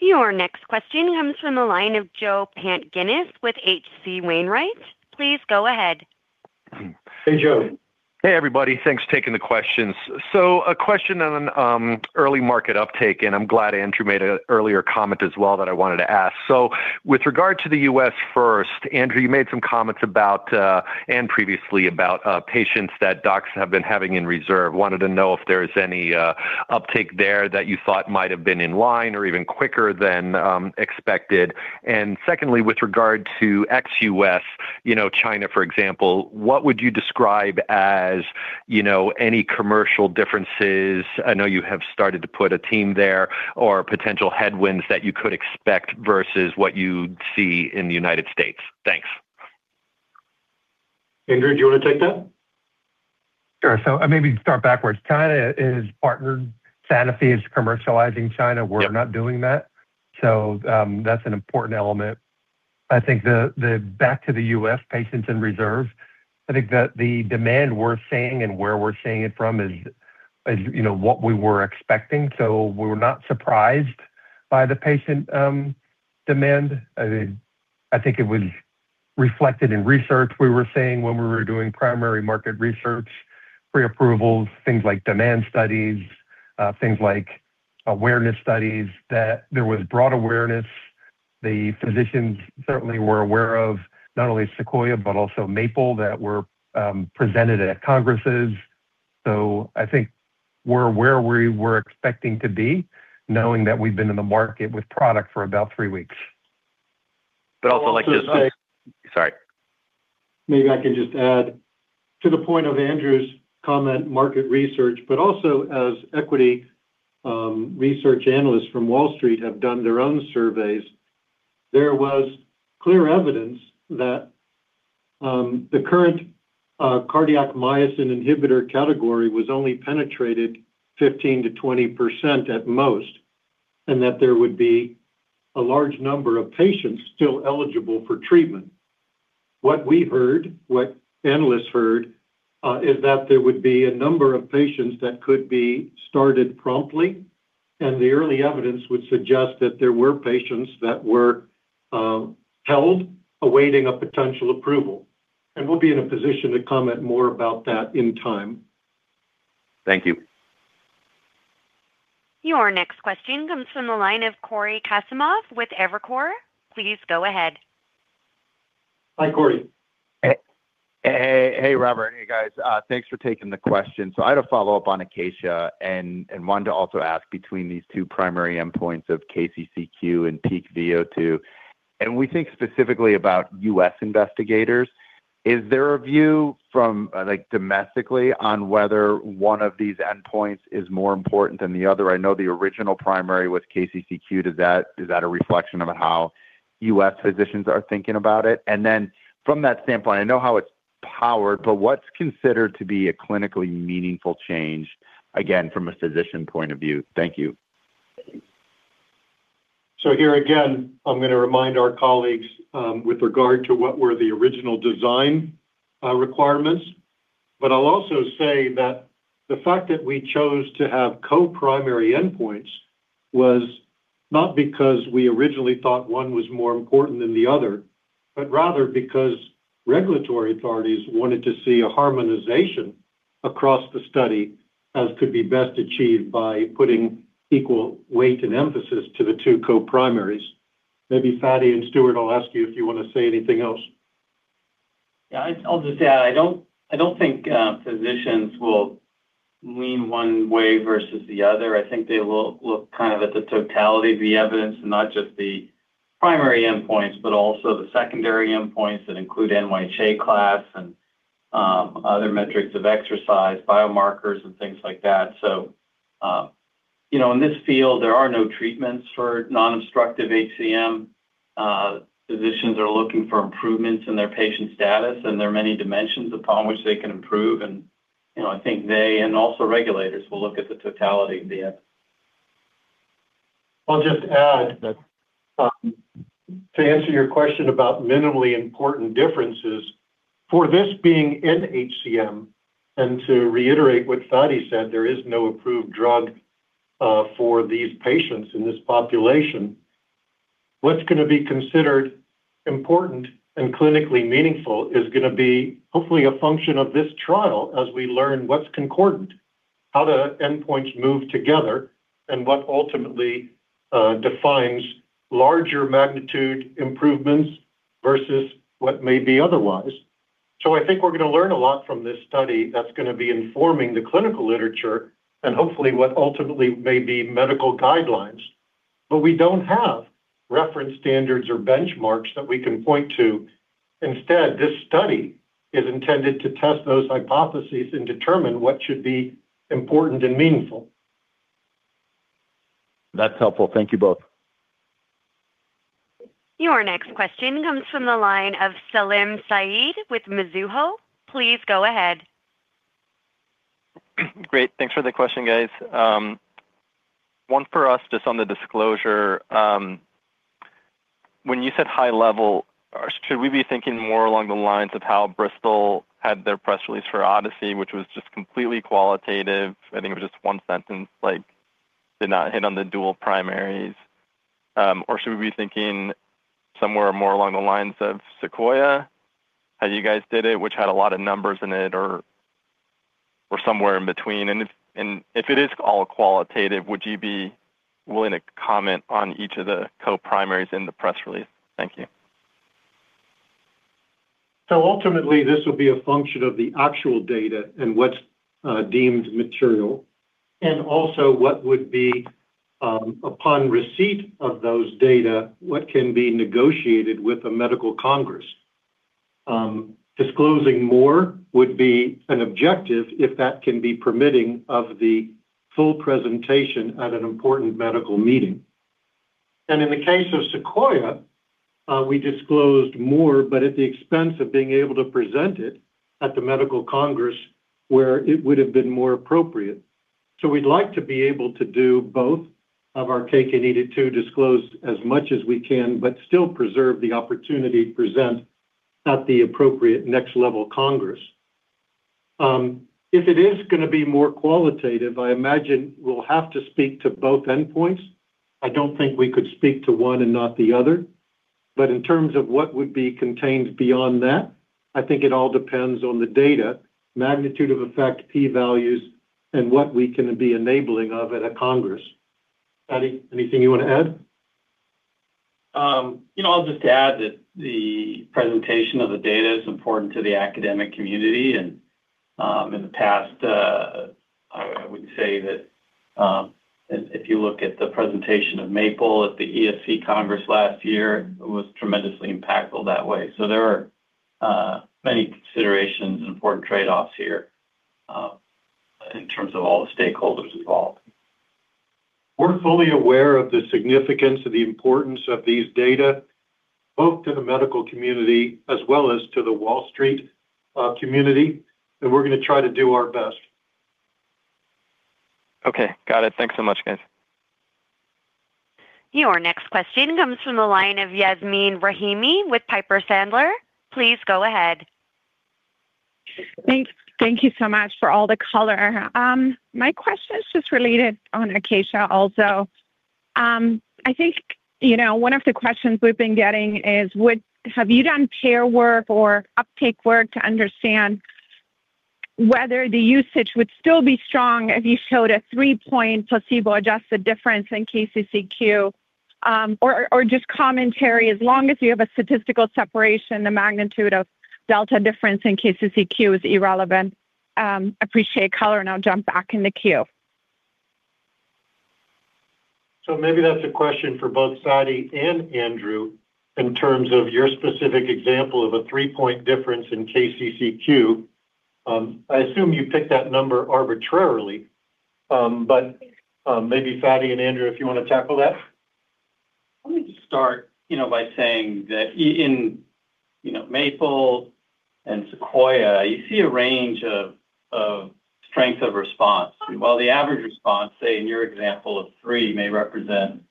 Your next question comes from the line of Joe Pantginis with H.C. Wainwright & Co. Please go ahead. Hey, Joe. Hey, everybody. Thanks for taking the questions. A question on early market uptake, and I'm glad Andrew made a earlier comment as well that I wanted to ask. With regard to the U.S. first, Andrew, you made some comments about, and previously about, patients that docs have been having in reserve. Wanted to know if there is any uptake there that you thought might have been in line or even quicker than expected. Secondly, with regard to ex-U.S., you know, China, for example, what would you describe as, you know, any commercial differences? I know you have started to put a team there or potential headwinds that you could expect versus what you'd see in the United States. Thanks. Andrew, do you want to take that? Sure. Maybe start backwards. China is partnered. Sanofi is commercializing China. Yeah. We're not doing that. That's an important element. I think the back to the U.S. patients in reserve, I think that the demand we're seeing and where we're seeing it from is, you know, what we were expecting. We were not surprised by the patient demand. I think it was reflected in research we were seeing when we were doing primary market research, pre-approvals, things like demand studies, things like awareness studies, that there was broad awareness. The physicians certainly were aware of not only SEQUOIA, but also MAPLE, that were presented at congresses. I think we're where we were expecting to be, knowing that we've been in the market with product for about three weeks. Also, like... Sorry. Maybe I can just add to the point of Andrew's comment, market research, but also as equity, research analysts from Wall Street have done their own surveys. There was clear evidence that the current cardiac myosin inhibitor category was only penetrated 15%-20% at most, and that there would be a large number of patients still eligible for treatment. What we heard, what analysts heard, is that there would be a number of patients that could be started promptly, and the early evidence would suggest that there were patients that were held, awaiting a potential approval. We'll be in a position to comment more about that in time. Thank you. Your next question comes from the line of Cory Kasimov with Evercore. Please go ahead. Hi, Cory. Hey, hey, Robert. Hey, guys. thanks for taking the question. I had a follow-up on ACACIA-HCM and wanted to also ask between these two primary endpoints of KCCQ and peak VO2. we think specifically about U.S. investigators. Is there a view from, like, domestically on whether one of these endpoints is more important than the other? I know the original primary was KCCQ. is that a reflection of how U.S. physicians are thinking about it? then from that standpoint, I know how it's powered, but what's considered to be a clinically meaningful change, again, from a physician point of view? Thank you. Here again, I'm gonna remind our colleagues with regard to what were the original design requirements. I'll also say that the fact that we chose to have co-primary endpoints was not because we originally thought one was more important than the other, but rather because regulatory authorities wanted to see a harmonization across the study as could be best achieved by putting equal weight and emphasis to the two co-primaries. Maybe Fady and Stuart, I'll ask you if you want to say anything else. Yeah, I'll just add, I don't think physicians will lean one way versus the other. I think they will look kind of at the totality of the evidence, not just the primary endpoints, but also the secondary endpoints that include NYHA Class and other metrics of exercise, biomarkers and things like that. You know, in this field, there are no treatments for non-obstructive HCM. Physicians are looking for improvements in their patient status, and there are many dimensions upon which they can improve. You know, I think they, and also regulators, will look at the totality of the end. I'll just add that to answer your question about minimally important differences, for this being in HCM, and to reiterate what Fady said, there is no approved drug for these patients in this population. What's gonna be considered important and clinically meaningful is gonna be hopefully a function of this trial as we learn what's concordant, how the endpoints move together, and what ultimately defines larger magnitude improvements versus what may be otherwise. I think we're gonna learn a lot from this study that's gonna be informing the clinical literature and hopefully what ultimately may be medical guidelines. We don't have reference standards or benchmarks that we can point to. Instead, this study is intended to test those hypotheses and determine what should be important and meaningful. That's helpful. Thank you both. Your next question comes from the line of Salim Syed with Mizuho. Please go ahead. Great. Thanks for the question, guys. 1 for us, just on the disclosure. When you said high level, or should we be thinking more along the lines of how Bristol had their press release for ODYSSEY-HCM, which was just completely qualitative? I think it was just one sentence, like, did not hit on the dual primaries. Or should we be thinking somewhere more along the lines of SEQUOIA-HCM, how you guys did it, which had a lot of numbers in it or somewhere in between? If it is all qualitative, would you be willing to comment on each of the co-primaries in the press release? Thank you. Ultimately, this will be a function of the actual data and what's deemed material, and also what would be upon receipt of those data, what can be negotiated with the medical congress. Disclosing more would be an objective if that can be permitting of the full presentation at an important medical meeting. In the case of SEQUOIA, we disclosed more, but at the expense of being able to present it at the Medical Congress, where it would have been more appropriate. We'd like to be able to do both of our CK-2, disclose as much as we can, but still preserve the opportunity to present at the appropriate next level Congress. If it is gonna be more qualitative, I imagine we'll have to speak to both endpoints. I don't think we could speak to one and not the other. In terms of what would be contained beyond that, I think it all depends on the data, magnitude of effect, p-values, and what we can be enabling of at a Congress. Fady, anything you want to add? You know, I'll just add that the presentation of the data is important to the academic community. In the past, I would say that if you look at the presentation of MAPLE at the ESC Congress last year, it was tremendously impactful that way. There are many considerations and important trade-offs here in terms of all the stakeholders involved. We're fully aware of the significance and the importance of these data, both to the medical community as well as to the Wall Street community, and we're gonna try to do our best. Okay, got it. Thanks so much, guys. Your next question comes from the line of Yasmeen Rahimi with Piper Sandler. Please go ahead. Thanks. Thank you so much for all the color. My question is just related on ACACIA also. I think, you know, one of the questions we've been getting is, have you done pair work or uptake work to understand whether the usage would still be strong if you showed a three-point placebo-adjusted difference in KCCQ? Or just commentary, as long as you have a statistical separation, the magnitude of delta difference in KCCQ is irrelevant. Appreciate color, and I'll jump back in the queue. Maybe that's a question for both Fady and Andrew, in terms of your specific example of a three-point difference in KCCQ. I assume you picked that number arbitrarily, but maybe Fady and Andrew, if you want to tackle that? Let me just start, you know, by saying that in, you know, MAPLE and SEQUOIA, you see a range of strength of response. While the average response, say in your example of three, may represent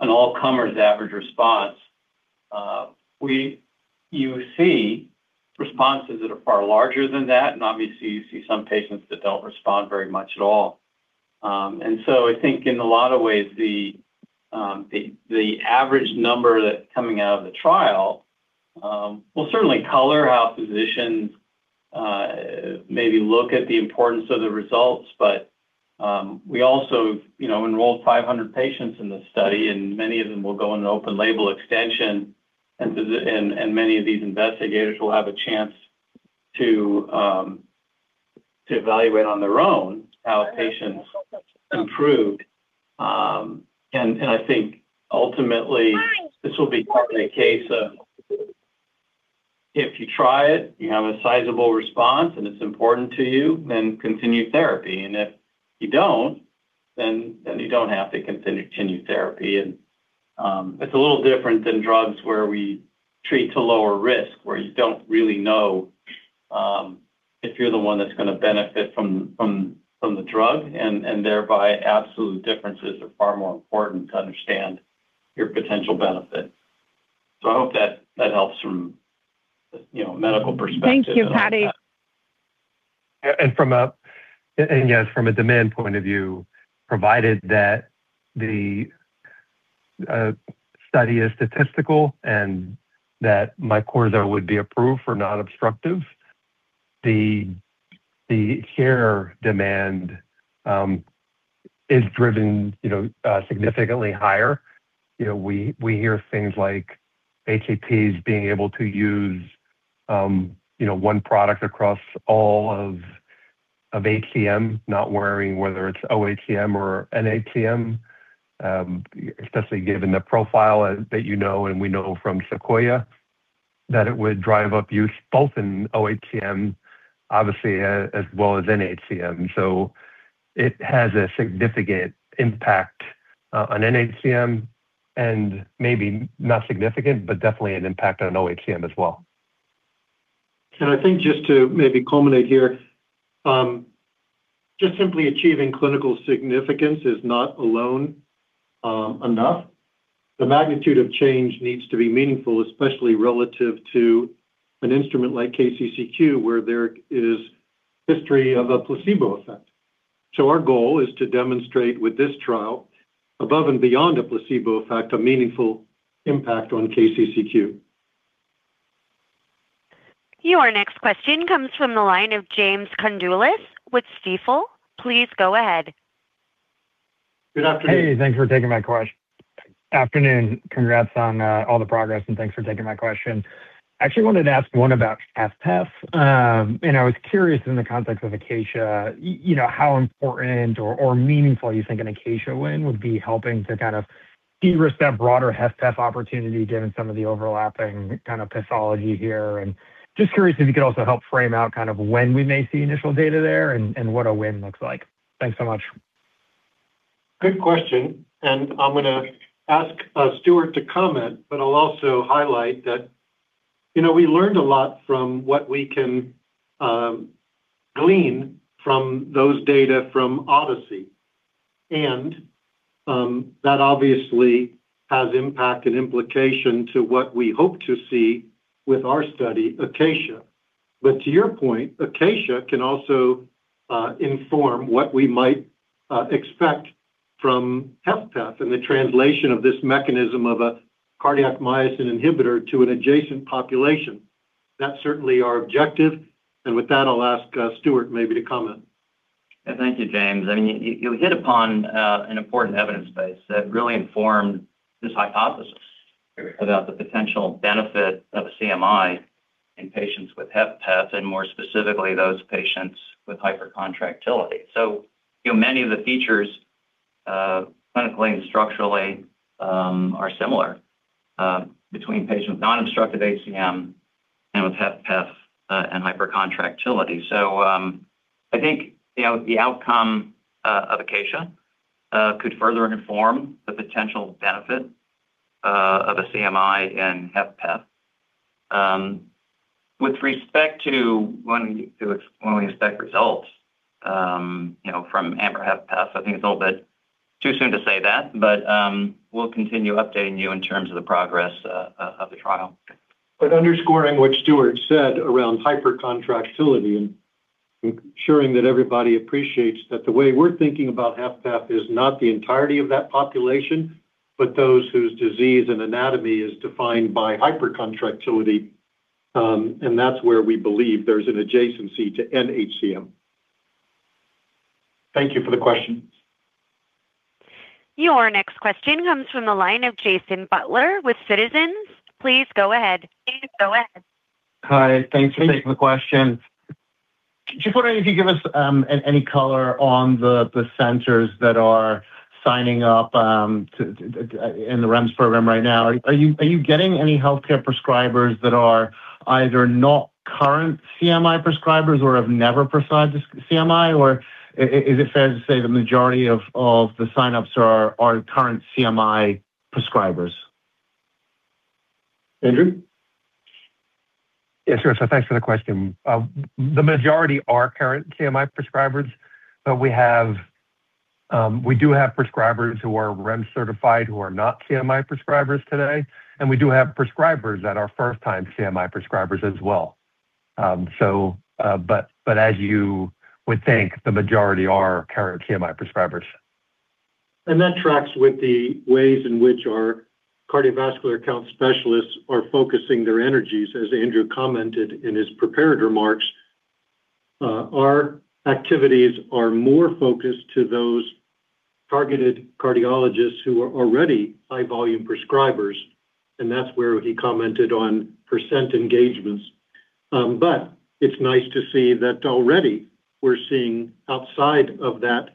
an all-comers average response, you see responses that are far larger than that, and obviously you see some patients that don't respond very much at all. I think in a lot of ways, the average number that's coming out of the trial will certainly color how physicians maybe look at the importance of the results. We also, you know, enrolled 500 patients in this study, and many of them will go on an open label extension, and many of these investigators will have a chance to evaluate on their own how patients improved. I think ultimately, this will be partly a case of if you try it, you have a sizable response, and it's important to you, then continue therapy. If you don't, then you don't have to continue therapy. It's a little different than drugs where we treat to lower risk, where you don't really know if you're the one that's gonna benefit from the drug. Thereby absolute differences are far more important to understand your potential benefit. I hope that that helps from, you know, a medical perspective. Thank you, Fady. Yes, from a demand point of view, provided that the study is statistical and that MYQORZO would be approved for non-obstructive, the care demand is driven, you know, significantly higher. You know, we hear things like HCPs being able to use, you know, one product across all of HCM, not worrying whether it's oHCM or nHCM, especially given the profile that you know and we know from SEQUOIA-HCM, that it would drive up use both in oHCM, obviously, as well as in HCM. It has a significant impact on nHCM and maybe not significant, but definitely an impact on oHCM as well. I think just to maybe culminate here, just simply achieving clinical significance is not alone enough. The magnitude of change needs to be meaningful, especially relative to an instrument like KCCQ, where there is history of a placebo effect. Our goal is to demonstrate with this trial, above and beyond a placebo effect, a meaningful impact on KCCQ. Your next question comes from the line of James Condulis with Stifel. Please go ahead. Good afternoon. Hey, thanks for taking my afternoon. Congrats on all the progress, and thanks for taking my question. I actually wanted to ask one about HFpEF. I was curious in the context of ACACIA, you know, how important or meaningful you think an ACACIA win would be helping to kind of de-risk that broader HFpEF opportunity, given some of the overlapping kind of pathology here? Just curious if you could also help frame out kind of when we may see initial data there and what a win looks like. Thanks so much. Good question, and I'm gonna ask Stuart to comment, I'll also highlight that, you know, we learned a lot from what we can glean from those data from ODYSSEY-HCM. That obviously has impact and implication to what we hope to see with our study, ACACIA. To your point, ACACIA can also inform what we might expect from HFpEF and the translation of this mechanism of a cardiac myosin inhibitor to an adjacent population. That's certainly our objective, and with that, I'll ask Stuart, maybe to comment. Thank you, James. I mean, you hit upon an important evidence base that really informed this hypothesis about the potential benefit of CMI in patients with HFpEF, and more specifically, those patients with hypercontractility. You know, many of the features, clinically and structurally, are similar between patients with non-obstructive HCM and with HFpEF, and hypercontractility. I think, you know, the outcome of ACACIA-HCM could further inform the potential benefit of a CMI in HFpEF. With respect to when we expect results, you know, from AMBER-HFpEF, I think it's a little bit too soon to say that, but we'll continue updating you in terms of the progress of the trial. Underscoring what Stuart said around hypercontractility and ensuring that everybody appreciates that the way we're thinking about HFpEF is not the entirety of that population, but those whose disease and anatomy is defined by hypercontractility, and that's where we believe there's an adjacency to nHCM. Thank you for the question. Your next question comes from the line of Jason Butler with Citizens. Please go ahead. Hi. Thanks for taking the question. Just wondering if you could give us any color on the centers that are signing up to in the REMS program right now. Are you getting any healthcare prescribers that are either not current CMI prescribers or have never prescribed CMI? Is it fair to say the majority of the sign-ups are current CMI prescribers? Andrew? Yes, sure. Thanks for the question. The majority are current CMI prescribers, but we do have prescribers who are REMS certified, who are not CMI prescribers today, and we do have prescribers that are first-time CMI prescribers as well. As you would think, the majority are current CMI prescribers. That tracks with the ways in which our Cardiovascular Account Specialists are focusing their energies. As Andrew commented in his prepared remarks, our activities are more focused to those targeted cardiologists who are already high-volume prescribers, and that's where he commented on percent engagements. It's nice to see that already we're seeing outside of that,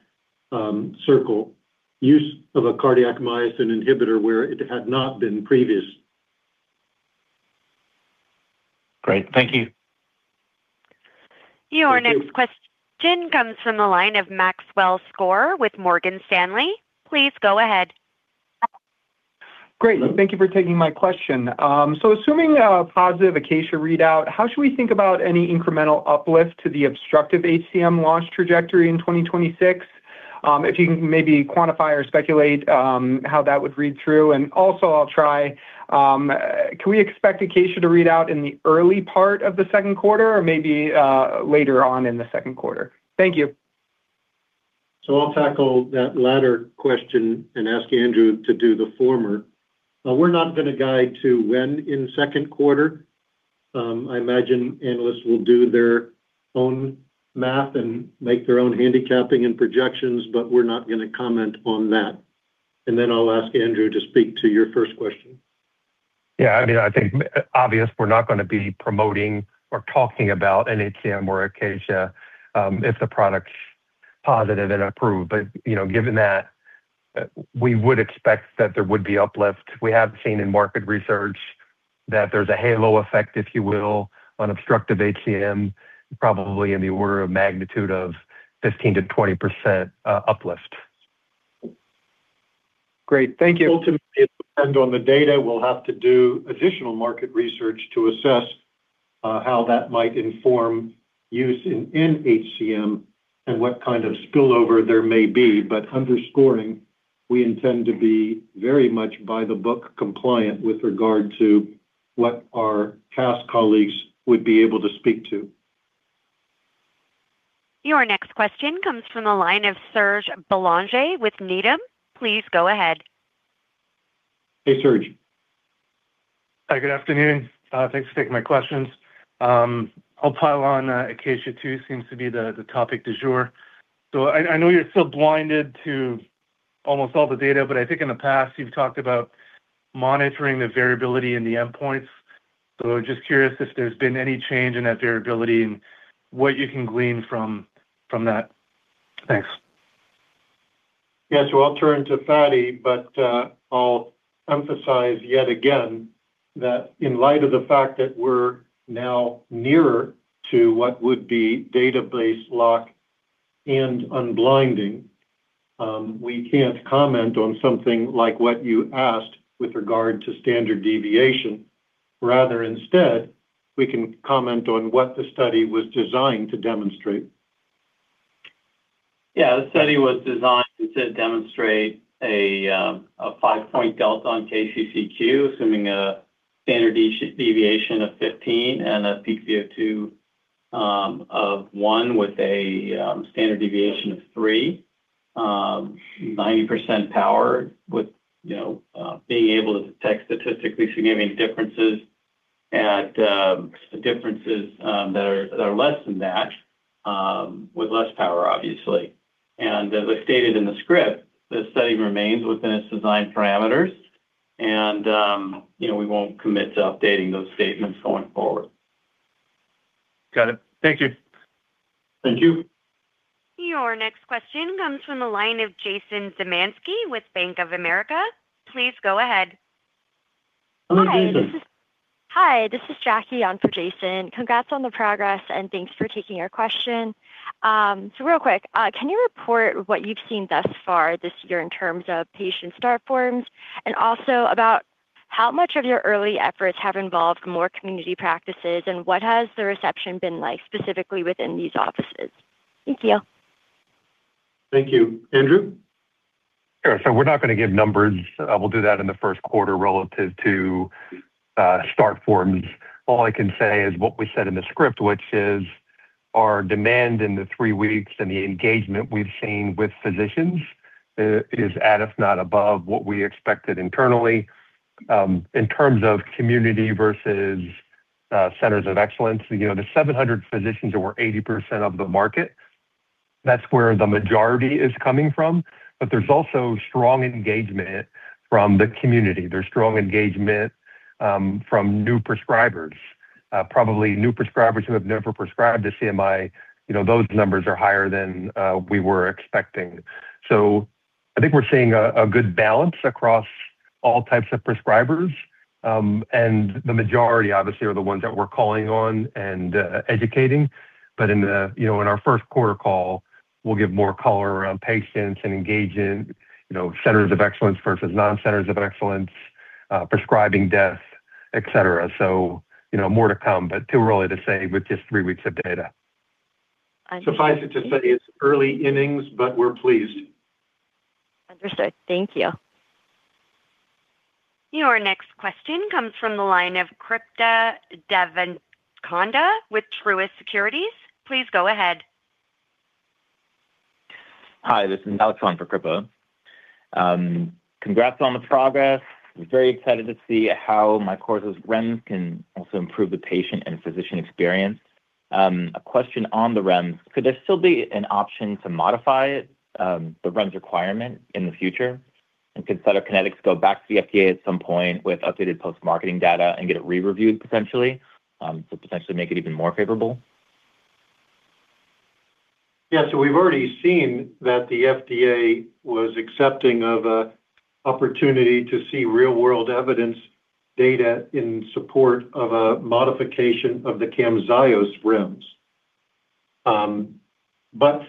circle, use of a cardiac myosin inhibitor where it had not been previous. Great. Thank you. Your next question. Thank you. comes from the line of Maxwell Skor with Morgan Stanley. Please go ahead. Great. Thank you for taking my question. Assuming a positive ACACIA readout, how should we think about any incremental uplift to the obstructive HCM launch trajectory in 2026? If you can maybe quantify or speculate, how that would read through. Also, I'll try, can we expect ACACIA to read out in the early part of the Q2 or maybe, later on in the Q2? Thank you. I'll tackle that latter question and ask Andrew to do the former. We're not going to guide to when in the second quarter. I imagine analysts will do their own math and make their own handicapping and projections, but we're not going to comment on that. Then I'll ask Andrew to speak to your first question. Yeah, I mean, I think obvious we're not going to be promoting or talking about an HCM or ACACIA, if the product positive and approved. you know, given that, we would expect that there would be uplift. We have seen in market research that there's a halo effect, if you will, on obstructive HCM, probably in the order of magnitude of 15%-20%, uplift. Great. Thank you. Ultimately, it depends on the data. We'll have to do additional market research to assess how that might inform use in HCM and what kind of spillover there may be. Underscoring, we intend to be very much by-the-book compliant with regard to what our cast colleagues would be able to speak to. Your next question comes from the line of Serge Belanger with Needham. Please go ahead. Hey, Serge. Hi, good afternoon. Thanks for taking my questions. I'll pile on ACACIA too. Seems to be the topic du jour. I know you're still blinded to almost all the data, but I think in the past, you've talked about monitoring the variability in the endpoints. Just curious if there's been any change in that variability and what you can glean from that. Thanks. I'll turn to Fady, but I'll emphasize yet again that in light of the fact that we're now nearer to what would be database lock and unblinding, we can't comment on something like what you asked with regard to standard deviation. Instead, we can comment on what the study was designed to demonstrate. Yeah. The study was designed to demonstrate a five-point delta on KCCQ, assuming a standard deviation of 15 and a pCO2 of 1 with a standard deviation of 3, 90% power, with, you know, being able to detect statistically significant differences at differences that are less than that with less power, obviously. As I stated in the script, the study remains within its design parameters, and, you know, we won't commit to updating those statements going forward. Got it. Thank you. Thank you. Your next question comes from the line of Jason Zemansky with Bank of America. Please go ahead. Hello, Jason. Hi, this is Jackie on for Jason. Congrats on the progress, thanks for taking our question. Real quick, can you report what you've seen thus far this year in terms of patient start forms? Also about how much of your early efforts have involved more community practices, and what has the reception been like, specifically within these offices? Thank you. Thank you. Andrew? Yeah. We're not going to give numbers. We'll do that in the first quarter relative to start forms. All I can say is what we said in the script, which is our demand in the three weeks and the engagement we've seen with physicians, is at, if not above, what we expected internally. In terms of community versus centers of excellence, you know, the 700 physicians are over 80% of the market. That's where the majority is coming from. There's also strong engagement from the community. There's strong engagement from new prescribers. Probably new prescribers who have never prescribed to CMI. You know, those numbers are higher than we were expecting. I think we're seeing a good balance across all types of prescribers. The majority, obviously, are the ones that we're calling on and educating. You know, in our first quarter call, we'll give more color around patients and engage in, you know, centers of excellence versus non-centers of excellence, prescribing deaths, et cetera. You know, more to come, but too early to say with just three weeks of data. Suffice it to say it's early innings, but we're pleased. Understood. Thank you. Your next question comes from the line of Kripa Devarakonda with Truist Securities. Please go ahead. Hi, this is Alex on for Kripa. Congrats on the progress. I'm very excited to see how MYQORZO's REMS can also improve the patient and physician experience. A question on the REMS: Could there still be an option to modify it, the REMS requirement in the future, and could Cytokinetics go back to the FDA at some point with updated post-marketing data and get it re-reviewed potentially, to potentially make it even more favorable? We've already seen that the FDA was accepting of an opportunity to see real-world evidence data in support of a modification of the Camzyos REMS.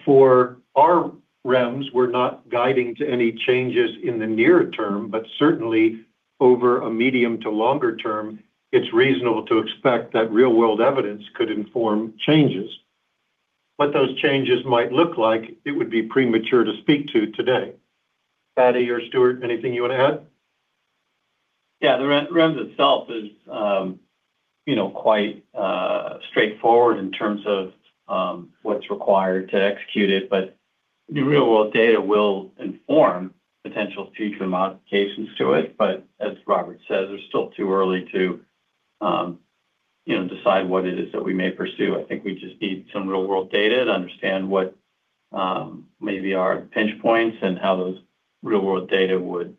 For our REMS, we're not guiding to any changes in the near term, but certainly over a medium to longer term, it's reasonable to expect that real-world evidence could inform changes. What those changes might look like, it would be premature to speak to today. Fady or Stuart, anything you want to add? Yeah. The REMS itself is, you know, quite straightforward in terms of what's required to execute it, but the real-world data will inform potential future modifications to it. As Robert says, we're still too early to, you know, decide what it is that we may pursue. I think we just need some real-world data to understand what, maybe our pinch points and how those real-world data would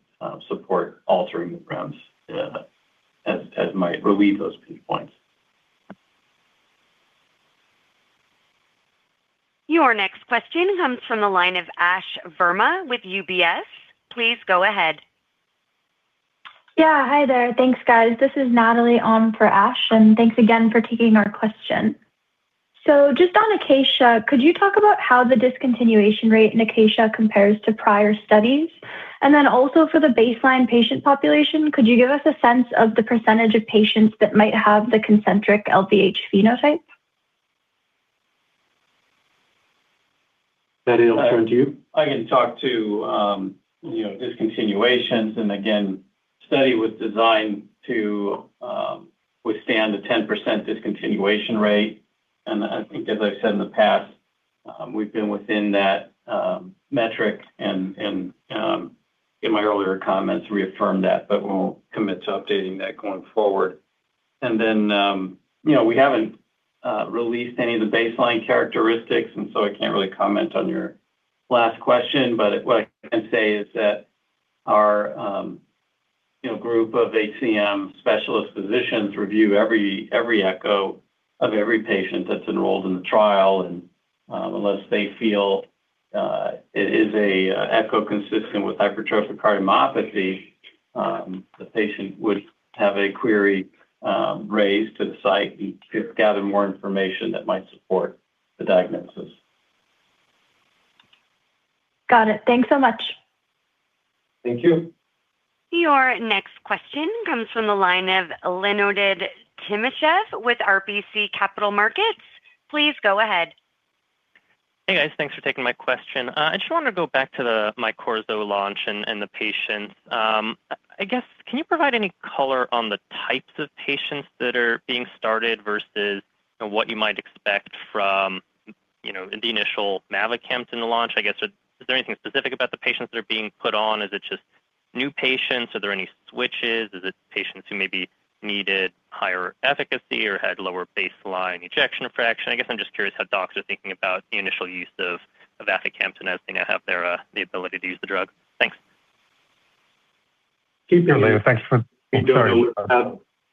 support altering the REMS, as might relieve those pinch points. Your next question comes from the line of Ashwani Verma with UBS. Please go ahead. Yeah. Hi there. Thanks, guys. This is Natalie on for Ash. Thanks again for taking our question. Just on ACACIA-HCM, could you talk about how the discontinuation rate in ACACIA-HCM compares to prior studies? Also for the baseline patient population, could you give us a sense of the perncetage of patients that might have the concentric LVH phenotype? Fady, I'll turn to you. I can talk to, you know, discontinuations. Again, study was designed to withstand a 10% discontinuation rate. I think, as I've said in the past, we've been within that metric and, in my earlier comments, reaffirmed that, but we'll commit to updating that going forward. You know, we haven't released any of the baseline characteristics, so I can't really comment on your last question. What I can say is that our, you know, group of HCM specialist physicians review every echo of every patient that's enrolled in the trial. Unless they feel it is a echo consistent with hypertrophic cardiomyopathy, the patient would have a query raised to the site and gather more information that might support the diagnosis. Got it. Thanks so much. Thank you. Your next question comes from the line of Leonid Timashev with RBC Capital Markets. Please go ahead. Hey, guys. Thanks for taking my question. I just wanna go back to the MYQORZO launch and the patients. I guess, can you provide any color on the types of patients that are being started versus what you might expect from, you know, in the initial mavacamten in the launch? I guess, is there anything specific about the patients that are being put on? Is it just new patients? Are there any switches? Is it patients who may be needed higher efficacy or had lower baseline ejection fraction? I guess I'm just curious how docs are thinking about the initial use of mavacamten now that they now have their ability to use the drug. Thanks. I'm sorry.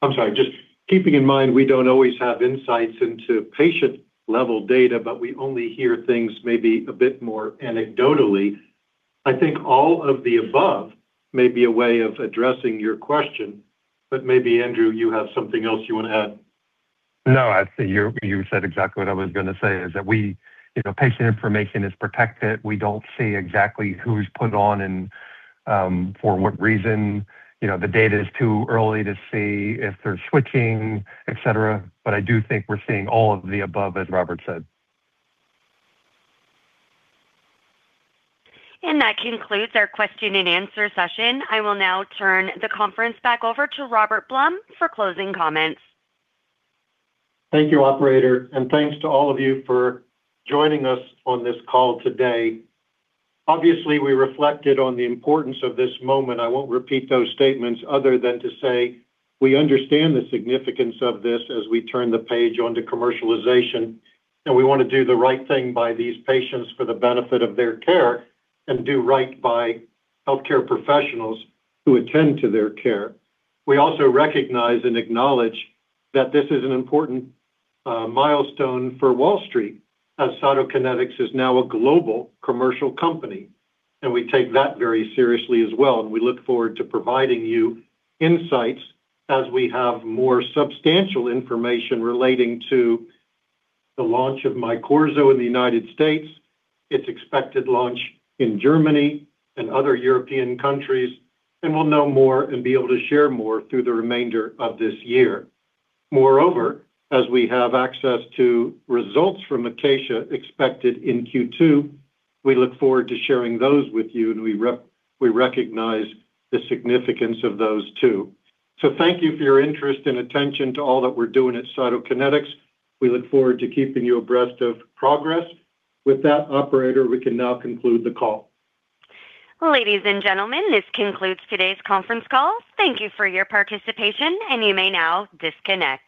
I'm sorry. Just keeping in mind, we don't always have insights into patient-level data, but we only hear things maybe a bit more anecdotally. I think all of the above may be a way of addressing your question, but maybe, Andrew, you have something else you wanna add. I think you said exactly what I was gonna say, is that. You know, patient information is protected. We don't see exactly who's put on and for what reason. You know, the data is too early to see if they're switching, et cetera. I do think we're seeing all of the above, as Robert said. That concludes our question and answer session. I will now turn the conference back over to Robert Blum for closing comments. Thank you, operator. Thanks to all of you for joining us on this call today. Obviously, we reflected on the importance of this moment. I won't repeat those statements other than to say, we understand the significance of this as we turn the page on to commercialization, and we wanna do the right thing by these patients for the benefit of their care and do right by healthcare professionals who attend to their care. We also recognize and acknowledge that this is an important milestone for Wall Street, as Cytokinetics is now a global commercial company, and we take that very seriously as well. We look forward to providing you insights as we have more substantial information relating to the launch of MYQORZO in the United States, its expected launch in Germany and other European countries, and we'll know more and be able to share more through the remainder of this year. Moreover, as we have access to results from ACACIA, expected in Q2, we look forward to sharing those with you, and we recognize the significance of those, too. Thank you for your interest and attention to all that we're doing at Cytokinetics. We look forward to keeping you abreast of progress. With that, operator, we can now conclude the call. Ladies and gentlemen, this concludes today's conference call. Thank you for your participation, and you may now disconnect.